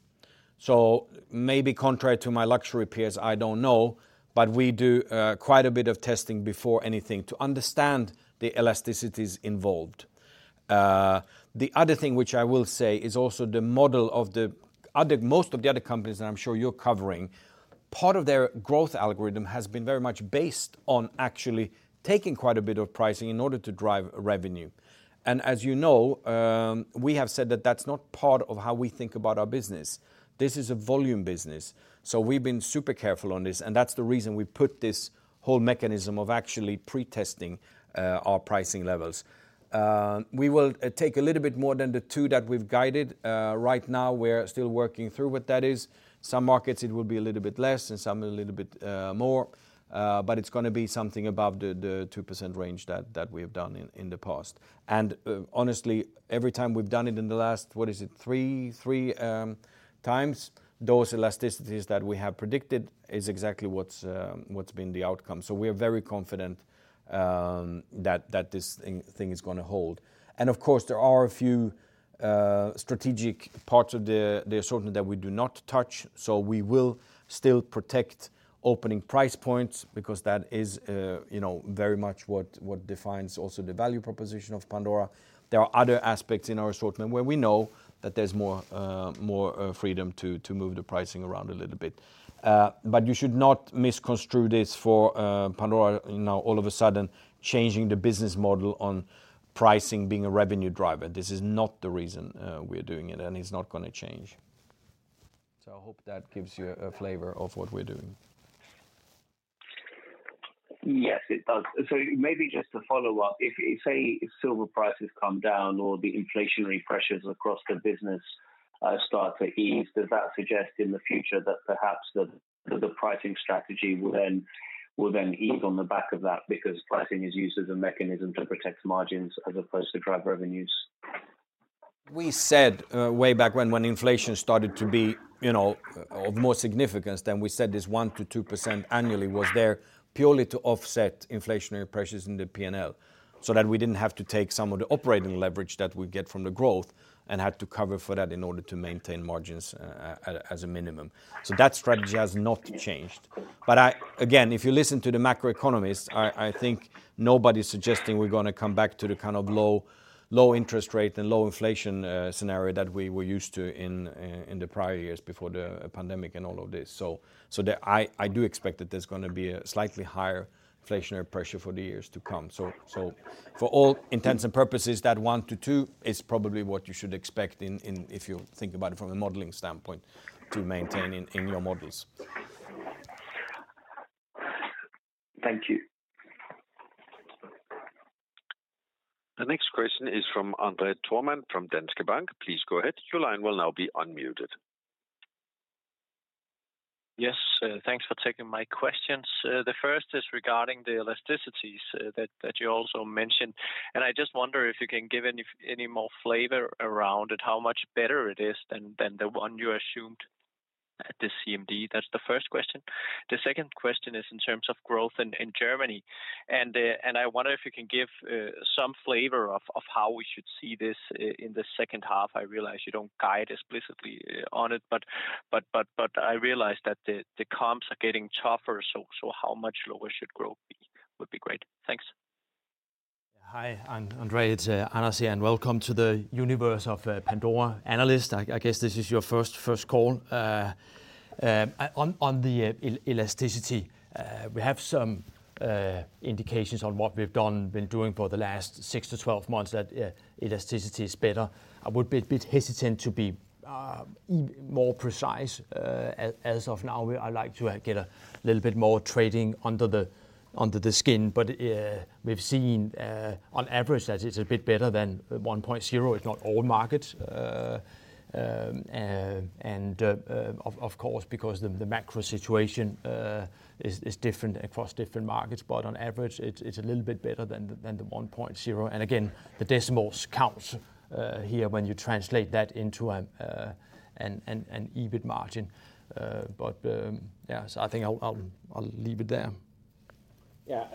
So maybe contrary to my luxury peers, I don't know, but we do quite a bit of testing before anything to understand the elasticities involved. The other thing which I will say is also the model of most of the other companies, and I'm sure you're covering, part of their growth algorithm has been very much based on actually taking quite a bit of pricing in order to drive revenue. And as you know, we have said that that's not part of how we think about our business. This is a volume business, so we've been super careful on this, and that's the reason we put this whole mechanism of actually pre-testing our pricing levels. We will take a little bit more than the two that we've guided. Right now, we're still working through what that is. Some markets, it will be a little bit less, in some a little bit more, but it's gonna be something above the 2% range that we have done in the past. Honestly, every time we've done it in the last three times, those elasticities that we have predicted is exactly what's been the outcome. So we are very confident that this thing is gonna hold. And of course, there are a few strategic parts of the assortment that we do not touch, so we will still protect opening price points because that is, you know, very much what defines also the value proposition of Pandora. There are other aspects in our assortment where we know that there's more freedom to move the pricing around a little bit. But you should not misconstrue this for Pandora, you know, all of a sudden changing the business model on pricing being a revenue driver. This is not the reason we're doing it, and it's not gonna change. So I hope that gives you a flavor of what we're doing. Yes, it does. So maybe just to follow up, if, say, if silver prices come down or the inflationary pressures across the business start to ease, does that suggest in the future that perhaps the pricing strategy will then ease on the back of that? Because pricing is used as a mechanism to protect margins as opposed to drive revenues. We said way back when, when inflation started to be, you know, of more significance, then we said this 1%-2% annually was there purely to offset inflationary pressures in the P&L, so that we didn't have to take some of the operating leverage that we get from the growth and had to cover for that in order to maintain margins, at, as a minimum. So that strategy has not changed. But again, if you listen to the macroeconomists, I think nobody's suggesting we're gonna come back to the kind of low, low interest rate and low inflation scenario that we were used to in, in the prior years before the pandemic and all of this. So, I do expect that there's gonna be a slightly higher inflationary pressure for the years to come. For all intents and purposes, that 1%-2% is probably what you should expect, if you think about it from a modeling standpoint, to maintain in your models. Thank you. The next question is from André Thormann, from Danske Bank. Please go ahead. Your line will now be unmuted. Yes, thanks for taking my questions. The first is regarding the elasticities that you also mentioned, and I just wonder if you can give any more flavor around it, how much better it is than the one you assumed at the CMD? That's the first question. The second question is in terms of growth in Germany, and I wonder if you can give some flavor of how we should see this in the second half. I realize you don't guide explicitly on it, but I realize that the comps are getting tougher, so how much lower should growth be? Would be great. Thanks. Hi, André. It's Anders here, and welcome to the universe of Pandora analysts. I guess this is your first call. On elasticity, we have some indications on what we've been doing for the last six-12 months, that elasticity is better. I would be a bit hesitant to be more precise. As of now, I'd like to get a little bit more trading under the skin. But we've seen, on average, that it's a bit better than 1.0. It's not all markets, and, of course, because the macro situation is different across different markets. But on average, it's a little bit better than 1.0. And again, the decimals counts here when you translate that into an EBIT margin. But yeah, so I think I'll leave it there. Yeah,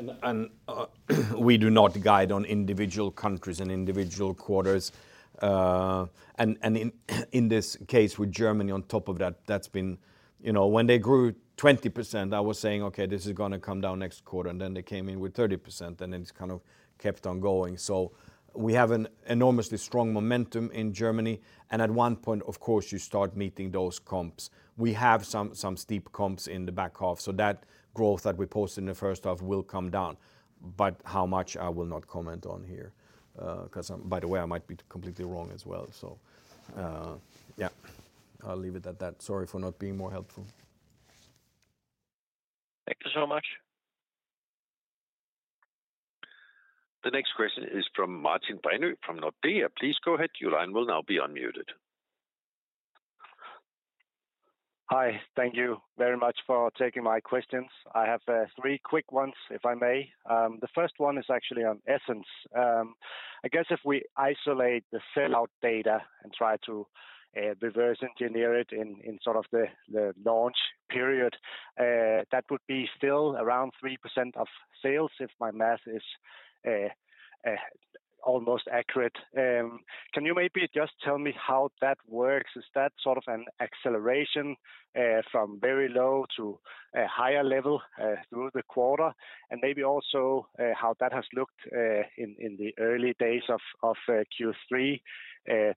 we do not guide on individual countries and individual quarters. In this case, with Germany on top of that, that's been... You know, when they grew 20%, I was saying: "Okay, this is gonna come down next quarter." And then they came in with 30%, and it's kind of kept on going. So we have an enormously strong momentum in Germany, and at one point, of course, you start meeting those comps. We have some steep comps in the back half, so that growth that we posted in the first half will come down. But how much, I will not comment on here, 'cause by the way, I might be completely wrong as well. So, yeah, I'll leave it at that. Sorry for not being more helpful. Thank you so much. The next question is from Martin Brenøe from Nordea. Please go ahead. Your line will now be unmuted. Hi. Thank you very much for taking my questions. I have three quick ones, if I may. The first one is actually on Essence. I guess if we isolate the sellout data and try to reverse engineer it in sort of the launch period, that would be still around 3% of sales, if my math is almost accurate. Can you maybe just tell me how that works? Is that sort of an acceleration from very-low to a higher level through the quarter? And maybe also how that has looked in the early days of Q3?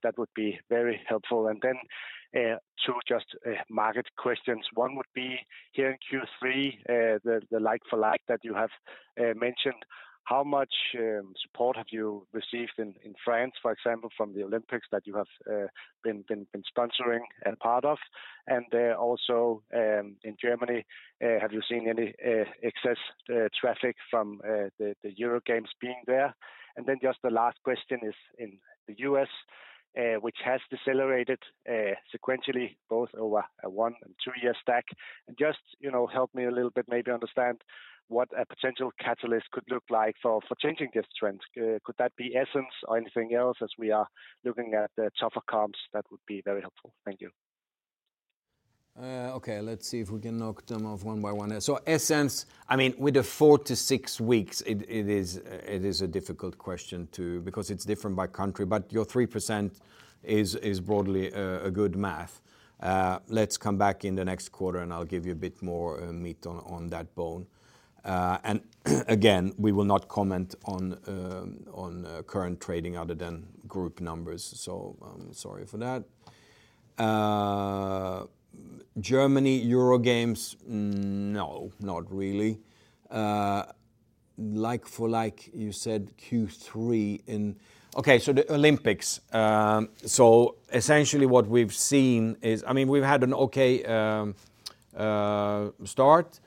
That would be very helpful. And then two just market questions. One would be, here in Q3, the like-for-like that you have mentioned, how much support have you received in France, for example, from the Olympics that you have been sponsoring and part of? And also in Germany, have you seen any excess traffic from the EuroGames being there? And then just the last question is in the U.S., which has decelerated sequentially, both over a one- and two-year stack. And just, you know, help me a little bit, maybe understand what a potential catalyst could look like for changing this trend. Could that be Essence or anything else, as we are looking at the tougher comps? That would be very helpful. Thank you. Okay, let's see if we can knock them off one by one. So Essence, I mean, with four-six weeks, it is a difficult question, too, because it's different by country, but your 3% is broadly a good math. Let's come back in the next quarter, and I'll give you a bit more meat on that bone. And again, we will not comment on current trading other than group numbers, so I'm sorry for that. Germany EuroGames? No, not really. Like-for-like, you said Q3 in- okay, so the Olympics. So essentially what we've seen is, I mean, we've had an okay start.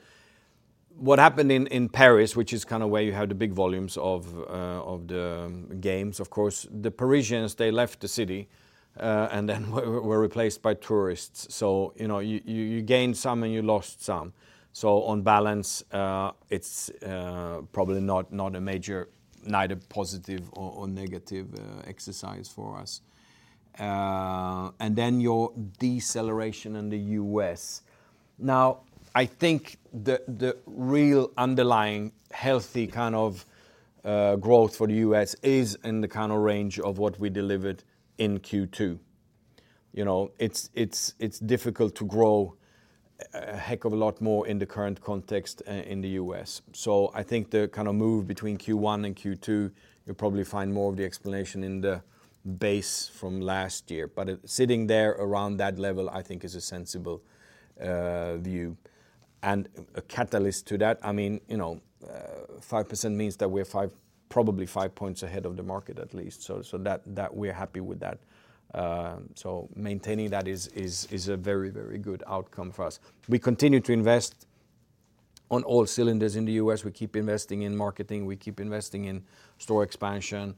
What happened in Paris, which is kind of where you have the big volumes of the games, of course, the Parisians, they left the city, and then were replaced by tourists. So, you know, you gained some and you lost some. So on balance, it's probably not a major, neither positive or negative exercise for us. And then your deceleration in the U.S. Now, I think the real underlying healthy kind of growth for the U.S. is in the kind of range of what we delivered in Q2. You know, it's difficult to grow a heck of a lot more in the current context in the U.S. So I think the kind of move between Q1 and Q2, you'll probably find more of the explanation in the base from last year. But sitting there around that level, I think is a sensible view. And a catalyst to that, I mean, you know, 5% means that we're probably 5 points ahead of the market at least, so that we're happy with that. So maintaining that is a very, very good outcome for us. We continue to invest on all cylinders in the U.S. We keep investing in marketing, we keep investing in store expansion,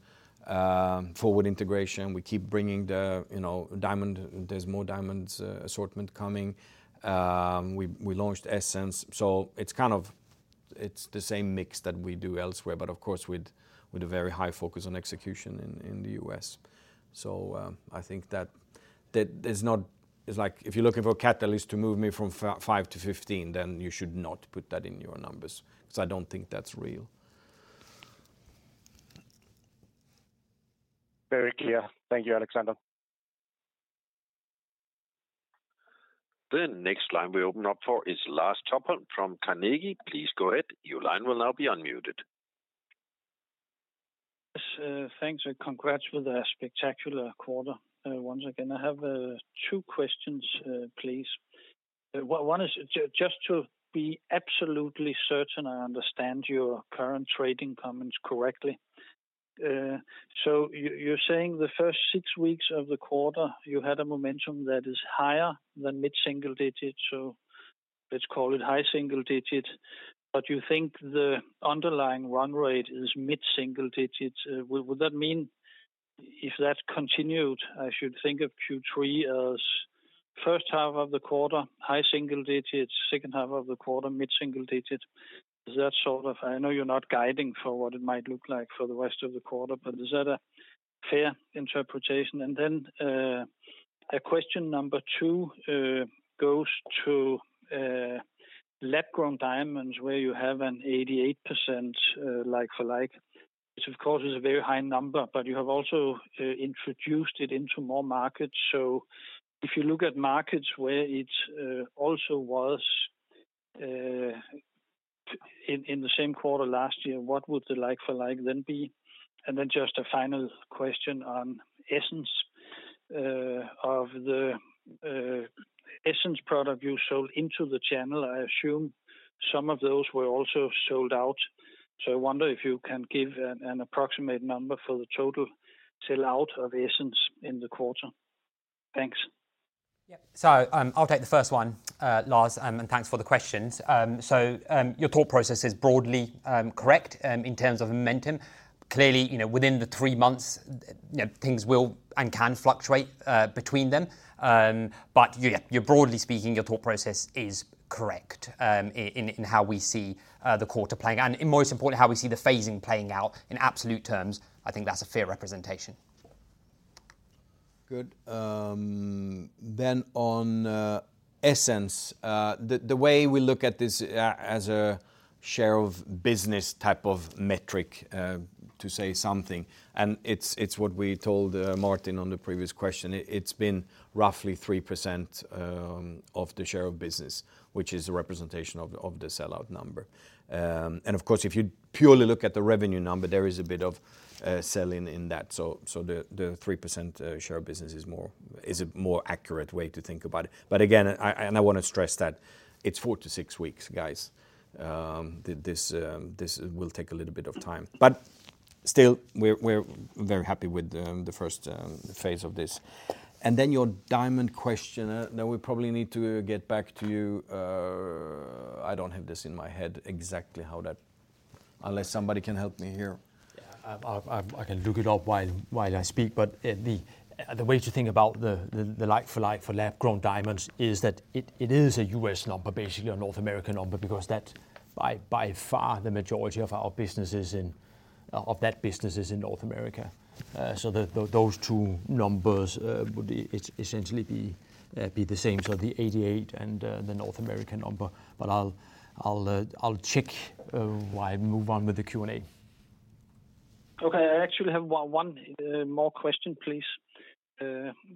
forward integration. We keep bringing the, you know, diamond. There's more diamonds assortment coming. We launched Essence, so it's kind of the same mix that we do elsewhere, but of course, with a very high focus on execution in the U.S. So, I think that there's not. It's like, if you're looking for a catalyst to move me from five to 15, then you should not put that in your numbers, because I don't think that's real. Very clear. Thank you, Alexander. The next line we open up for is Lars Topholm from Carnegie. Please go ahead. Your line will now be unmuted. Yes, thanks, and congrats for the spectacular quarter, once again. I have two questions, please. One is just to be absolutely certain I understand your current trading comments correctly. So you, you're saying the first six weeks of the quarter, you had a momentum that is higher than mid-single digits, so let's call it high single digits, but you think the underlying run rate is mid-single digits. Would that mean if that continued, I should think of Q3 as first half of the quarter, high single digits, second half of the quarter, mid-single digits? Is that sort of... I know you're not guiding for what it might look like for the rest of the quarter, but is that a fair interpretation? A question number two goes to lab-grown diamonds, where you have an 88% like-for-like, which of course is a very high number, but you have also introduced it into more markets. So if you look at markets where it also was in the same quarter last year, what would the like-for-like then be? And then just a final question on Essence. Of the Essence product you sold into the channel, I assume some of those were also sold out. So I wonder if you can give an approximate number for the total sell-out of Essence in the quarter. Thanks. Yeah. So, I'll take the first one, Lars, and thanks for the questions. So, your thought process is broadly correct, in terms of momentum. Clearly, you know, within the three months, you know, things will and can fluctuate, between them. But yeah, you're broadly speaking, your thought process is correct, in how we see the quarter playing out. And most important, how we see the phasing playing out in absolute terms, I think that's a fair representation. Good. Then on Essence, the way we look at this as a share of business type of metric to say something, and it's what we told Martin on the previous question. It's been roughly 3% of the share of business, which is a representation of the sellout number. And of course, if you purely look at the revenue number, there is a bit of sell-in in that. So the three percent share of business is more... is a more accurate way to think about it. But again, I want to stress that it's four-six weeks, guys. This will take a little bit of time, but still, we're very happy with the first phase of this. And then your diamond question, then we probably need to get back to you. I don't have this in my head exactly how that... Unless somebody can help me here. Yeah, I can look it up while I speak, but the way to think about the like-for-like for lab-grown diamonds is that it is a U.S. number, basically a North American number, because by far the majority of that business is in North America. So those two numbers would essentially be the same. So the 88% and the North American number, but I'll check while I move on with the Q&A. Okay. I actually have one more question, please,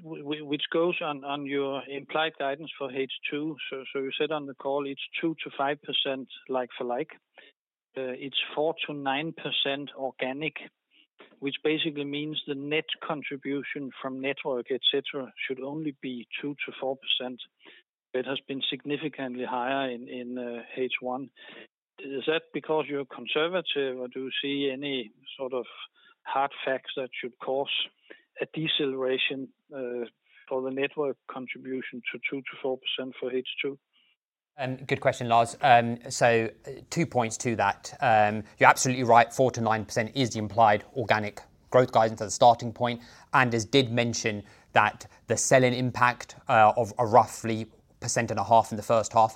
which goes on your implied guidance for H2. So you said on the call it's 2%-5% like-for-like, it's 4%-9% organic, which basically means the net contribution from network, et cetera, should only be 2%-4%. It has been significantly higher in H1. Is that because you're conservative, or do you see any sort of hard facts that should cause a deceleration for the network contribution to 2%-4% for H2? Good question, Lars. So two points to that. You're absolutely right, 4%-9% is the implied organic growth guidance as a starting point. Anders did mention that the sell-in impact of roughly 1.5% in the first half,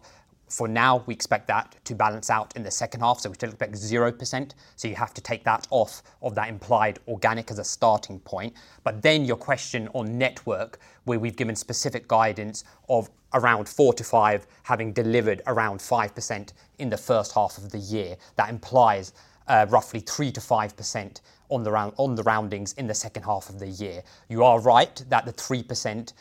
for now, we expect that to balance out in the second half, so we still expect 0%, so you have to take that off of that implied organic as a starting point. But then your question on network, where we've given specific guidance of around 4%-5%, having delivered around 5% in the first half of the year. That implies roughly 3%-5% on the openings in the second half of the year. You are right that the 3%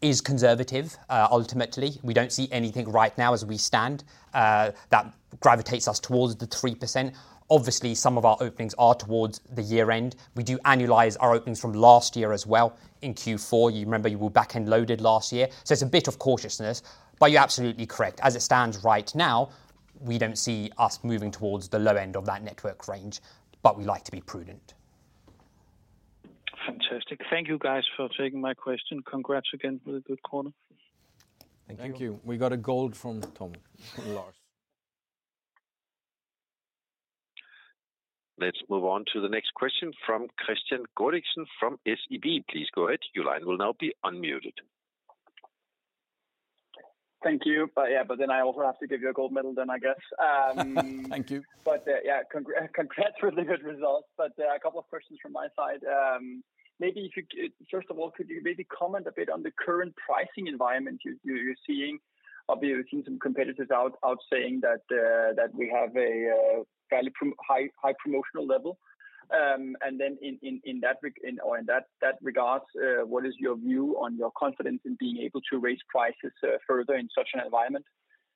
is conservative. Ultimately, we don't see anything right now as we stand that gravitates us towards the 3%. Obviously, some of our openings are towards the year end. We do annualize our openings from last year as well. In Q4, you remember we were back-end loaded last year. So it's a bit of cautiousness, but you're absolutely correct. As it stands right now, we don't see us moving towards the low end of that network range, but we like to be prudent. Fantastic. Thank you guys for taking my question. Congrats again for the good quarter. Thank you. Thank you. We got a gold from Tom, Lars. Let's move on to the next question from Kristian Godiksen from SEB. Please go ahead. Your line will now be unmuted. Thank you. But yeah, but then I also have to give you a gold medal then, I guess. Thank you. But yeah, congrats for the good results. But a couple of questions from my side. Maybe if you... First of all, could you maybe comment a bit on the current pricing environment you're seeing? Obviously, we've seen some competitors out saying that we have a fairly high promotional level. And then in that regard, what is your view on your confidence in being able to raise prices further in such an environment?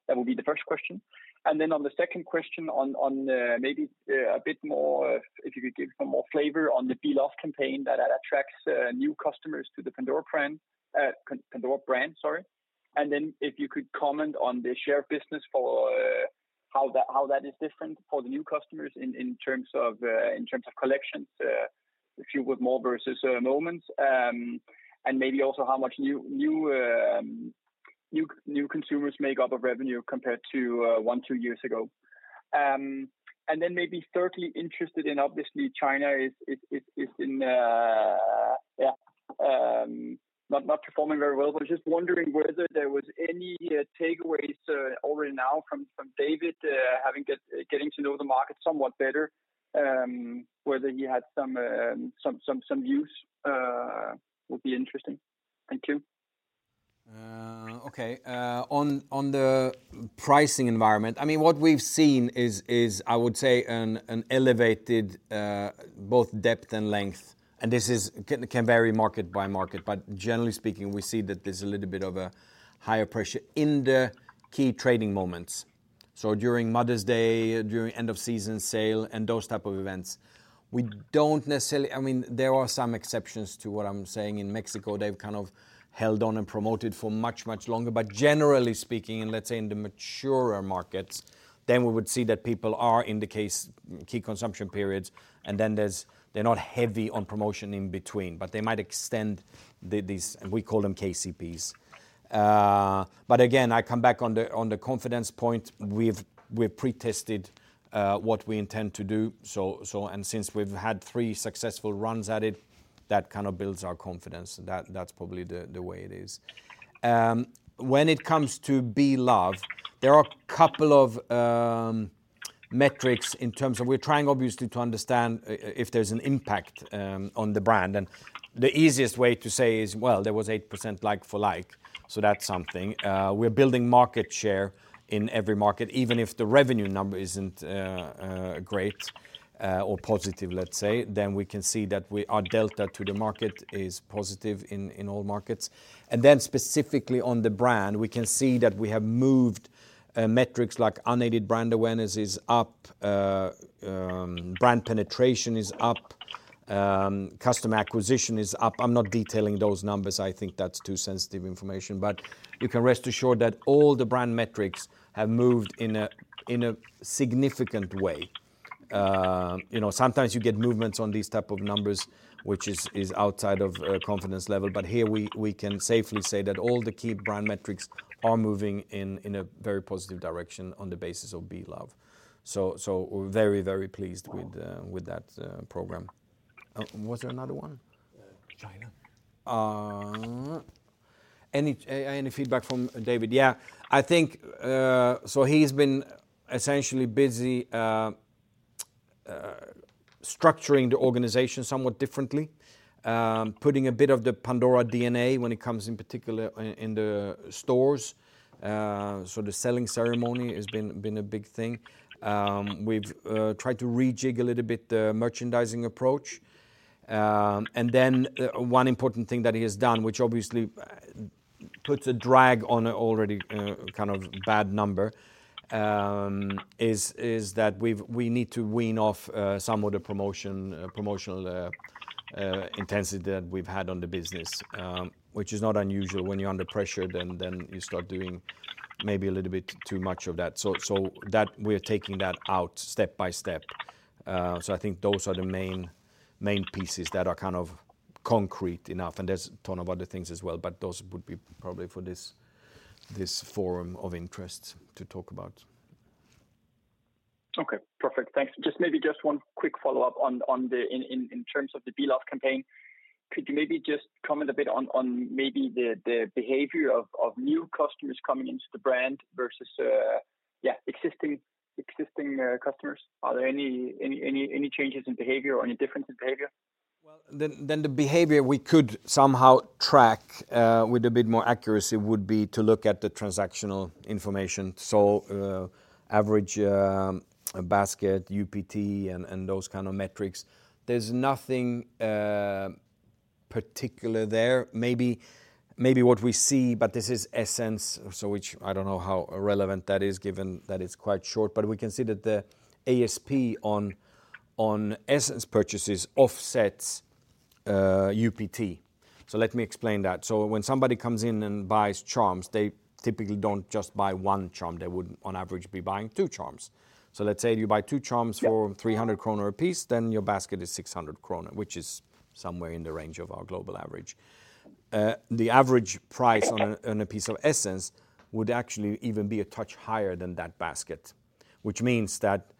That will be the first question. And then on the second question, maybe a bit more, if you could give some more flavor on the BE LOVE campaign that attracts new customers to the Pandora brand, Pandora brand, sorry. Then if you could comment on the share business for how that is different for the new customers in terms of collections, if you would, more versus Moments. And maybe also how much new consumers make up of revenue compared to one, two years ago. And then maybe thirdly, interested in, obviously, China is in. Yeah, not performing very well. But just wondering whether there was any takeaways already now from David having getting to know the market somewhat better, whether he had some views would be interesting. Thank you. Okay, on the pricing environment, I mean, what we've seen is, I would say, an elevated both depth and length, and this is... it can vary market by market, but generally speaking, we see that there's a little bit of a higher pressure in the key trading moments. So during Mother's Day, during end-of-season sale, and those type of events. We don't necessarily—I mean, there are some exceptions to what I'm saying. In Mexico, they've kind of held on and promoted for much, much longer. But generally speaking, and let's say in the maturer markets, then we would see that people are in the key consumption periods, and then they're not heavy on promotion in between, but they might extend these, we call them KCPs. But again, I come back on the confidence point, we've pre-tested what we intend to do. So, and since we've had three successful runs at it, that kind of builds our confidence. That's probably the way it is. When it comes to BE LOVE, there are a couple of metrics in terms of we're trying, obviously, to understand if there's an impact on the brand. And the easiest way to say is, well, there was 8% like-for-like, so that's something. We're building market share in every market, even if the revenue number isn't great or positive, let's say, then we can see that our delta to the market is positive in all markets. And then specifically on the brand, we can see that we have moved metrics like unaided brand awareness is up, brand penetration is up, customer acquisition is up. I'm not detailing those numbers. I think that's too sensitive information. But you can rest assured that all the brand metrics have moved in a significant way. You know, sometimes you get movements on these type of numbers, which is outside of confidence level, but here we can safely say that all the key brand metrics are moving in a very positive direction on the basis of BE LOVE. So we're very, very pleased with that program. Was there another one? Uh, China. Any feedback from David? Yeah, I think. So he's been essentially busy structuring the organization somewhat differently, putting a bit of the Pandora DNA when it comes in particular in the stores. So the selling ceremony has been a big thing. We've tried to rejig a little bit the merchandising approach. And then, one important thing that he has done, which obviously puts a drag on an already kind of bad number, is that we need to wean off some of the promotion, promotional intensity that we've had on the business. Which is not unusual. When you're under pressure, then you start doing maybe a little bit too much of that. So that, we're taking that out step by step. So, I think those are the main, main pieces that are kind of concrete enough, and there's a ton of other things as well, but those would be probably for this, this forum of interest to talk about. Okay. Perfect. Thanks. Just maybe one quick follow-up on the in terms of the BE LOVE campaign. Could you maybe just comment a bit on maybe the behavior of new customers coming into the brand versus, yeah, existing customers? Are there any changes in behavior or any difference in behavior? Well, then, then the behavior we could somehow track, with a bit more accuracy would be to look at the transactional information. So, average, basket, UPT, and, and those kind of metrics. There's nothing particular there. Maybe, maybe what we see, but this is Essence, so which I don't know how relevant that is, given that it's quite short. But we can see that the ASP on, on Essence purchases offsets UPT. So let me explain that. So when somebody comes in and buys charms, they typically don't just buy one charm. They would, on average, be buying two charms. So let's say you buy two charms- Yeah... for 300 krone apiece, then your basket is 600 krone, which is somewhere in the range of our global average. The average price on a, on a piece of Essence would actually even be a touch higher than that basket, which means that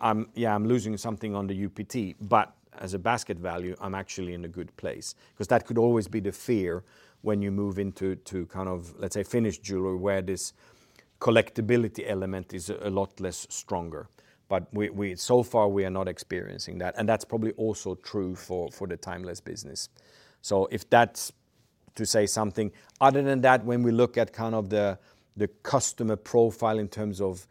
I'm, yeah, I'm losing something on the UPT, but as a basket value, I'm actually in a good place. 'Cause that could always be the fear when you move into kind of, let's say, finished jewelry, where this collectibility element is a lot less stronger. But we, we-- so far, we are not experiencing that, and that's probably also true for, for the Timeless business. So if that's to say something, other than that, when we look at kind of the customer profile in terms of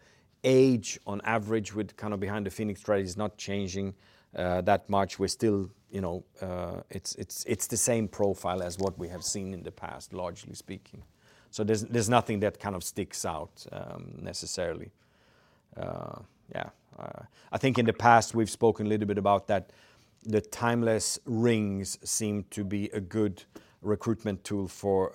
age, on average, with kind of behind the Phoenix strategy is not changing, that much. We're still, you know, it's the same profile as what we have seen in the past, largely speaking. So there's nothing that kind of sticks out, necessarily. Yeah. I think in the past, we've spoken a little bit about that the Timeless rings seem to be a good recruitment tool for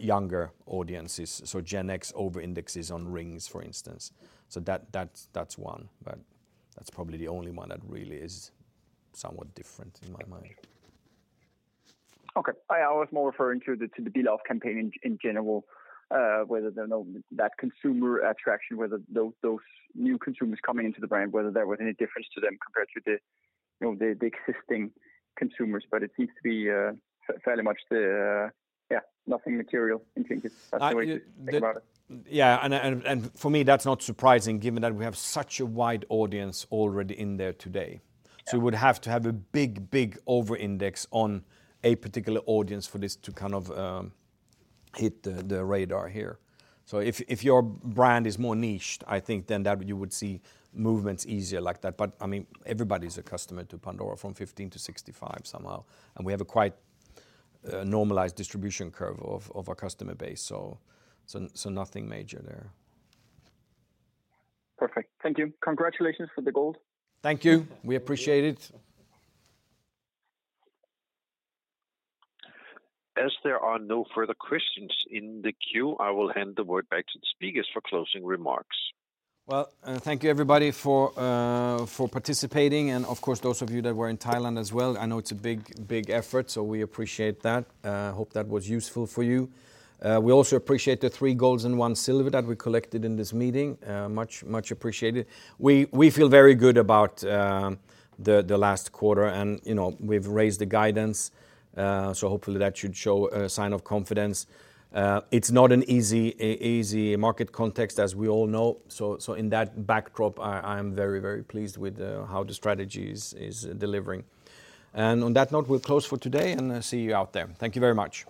younger audiences. So Gen X overindexes on rings, for instance. So that's one, but that's probably the only one that really is somewhat different in my mind. Okay. I was more referring to the BE LOVE campaign in general, whether or not that consumer attraction, whether those new consumers coming into the brand, whether there was any difference to them compared to the, you know, the existing consumers. But it seems to be fairly much the, yeah, nothing material in thinking, that's the way to think about it. Yeah, and for me, that's not surprising, given that we have such a wide audience already in there today. Yeah. So we'd have to have a big, big overindex on a particular audience for this to kind of hit the radar here. So if your brand is more niched, I think then that you would see movements easier like that. But, I mean, everybody's a customer to Pandora, from 15 to 65 somehow, and we have a quite normalized distribution curve of our customer base, so nothing major there. Perfect. Thank you. Congratulations for the gold. Thank you. We appreciate it. As there are no further questions in the queue, I will hand the word back to the speakers for closing remarks. Well, thank you, everybody, for participating, and of course, those of you that were in Thailand as well, I know it's a big, big effort, so we appreciate that. Hope that was useful for you. We also appreciate the three golds and one silver that we collected in this meeting. Much, much appreciated. We feel very good about the last quarter, and, you know, we've raised the guidance, so hopefully that should show a sign of confidence. It's not an easy market context, as we all know. So in that backdrop, I'm very, very pleased with how the strategy is delivering. And on that note, we'll close for today, and see you out there. Thank you very much!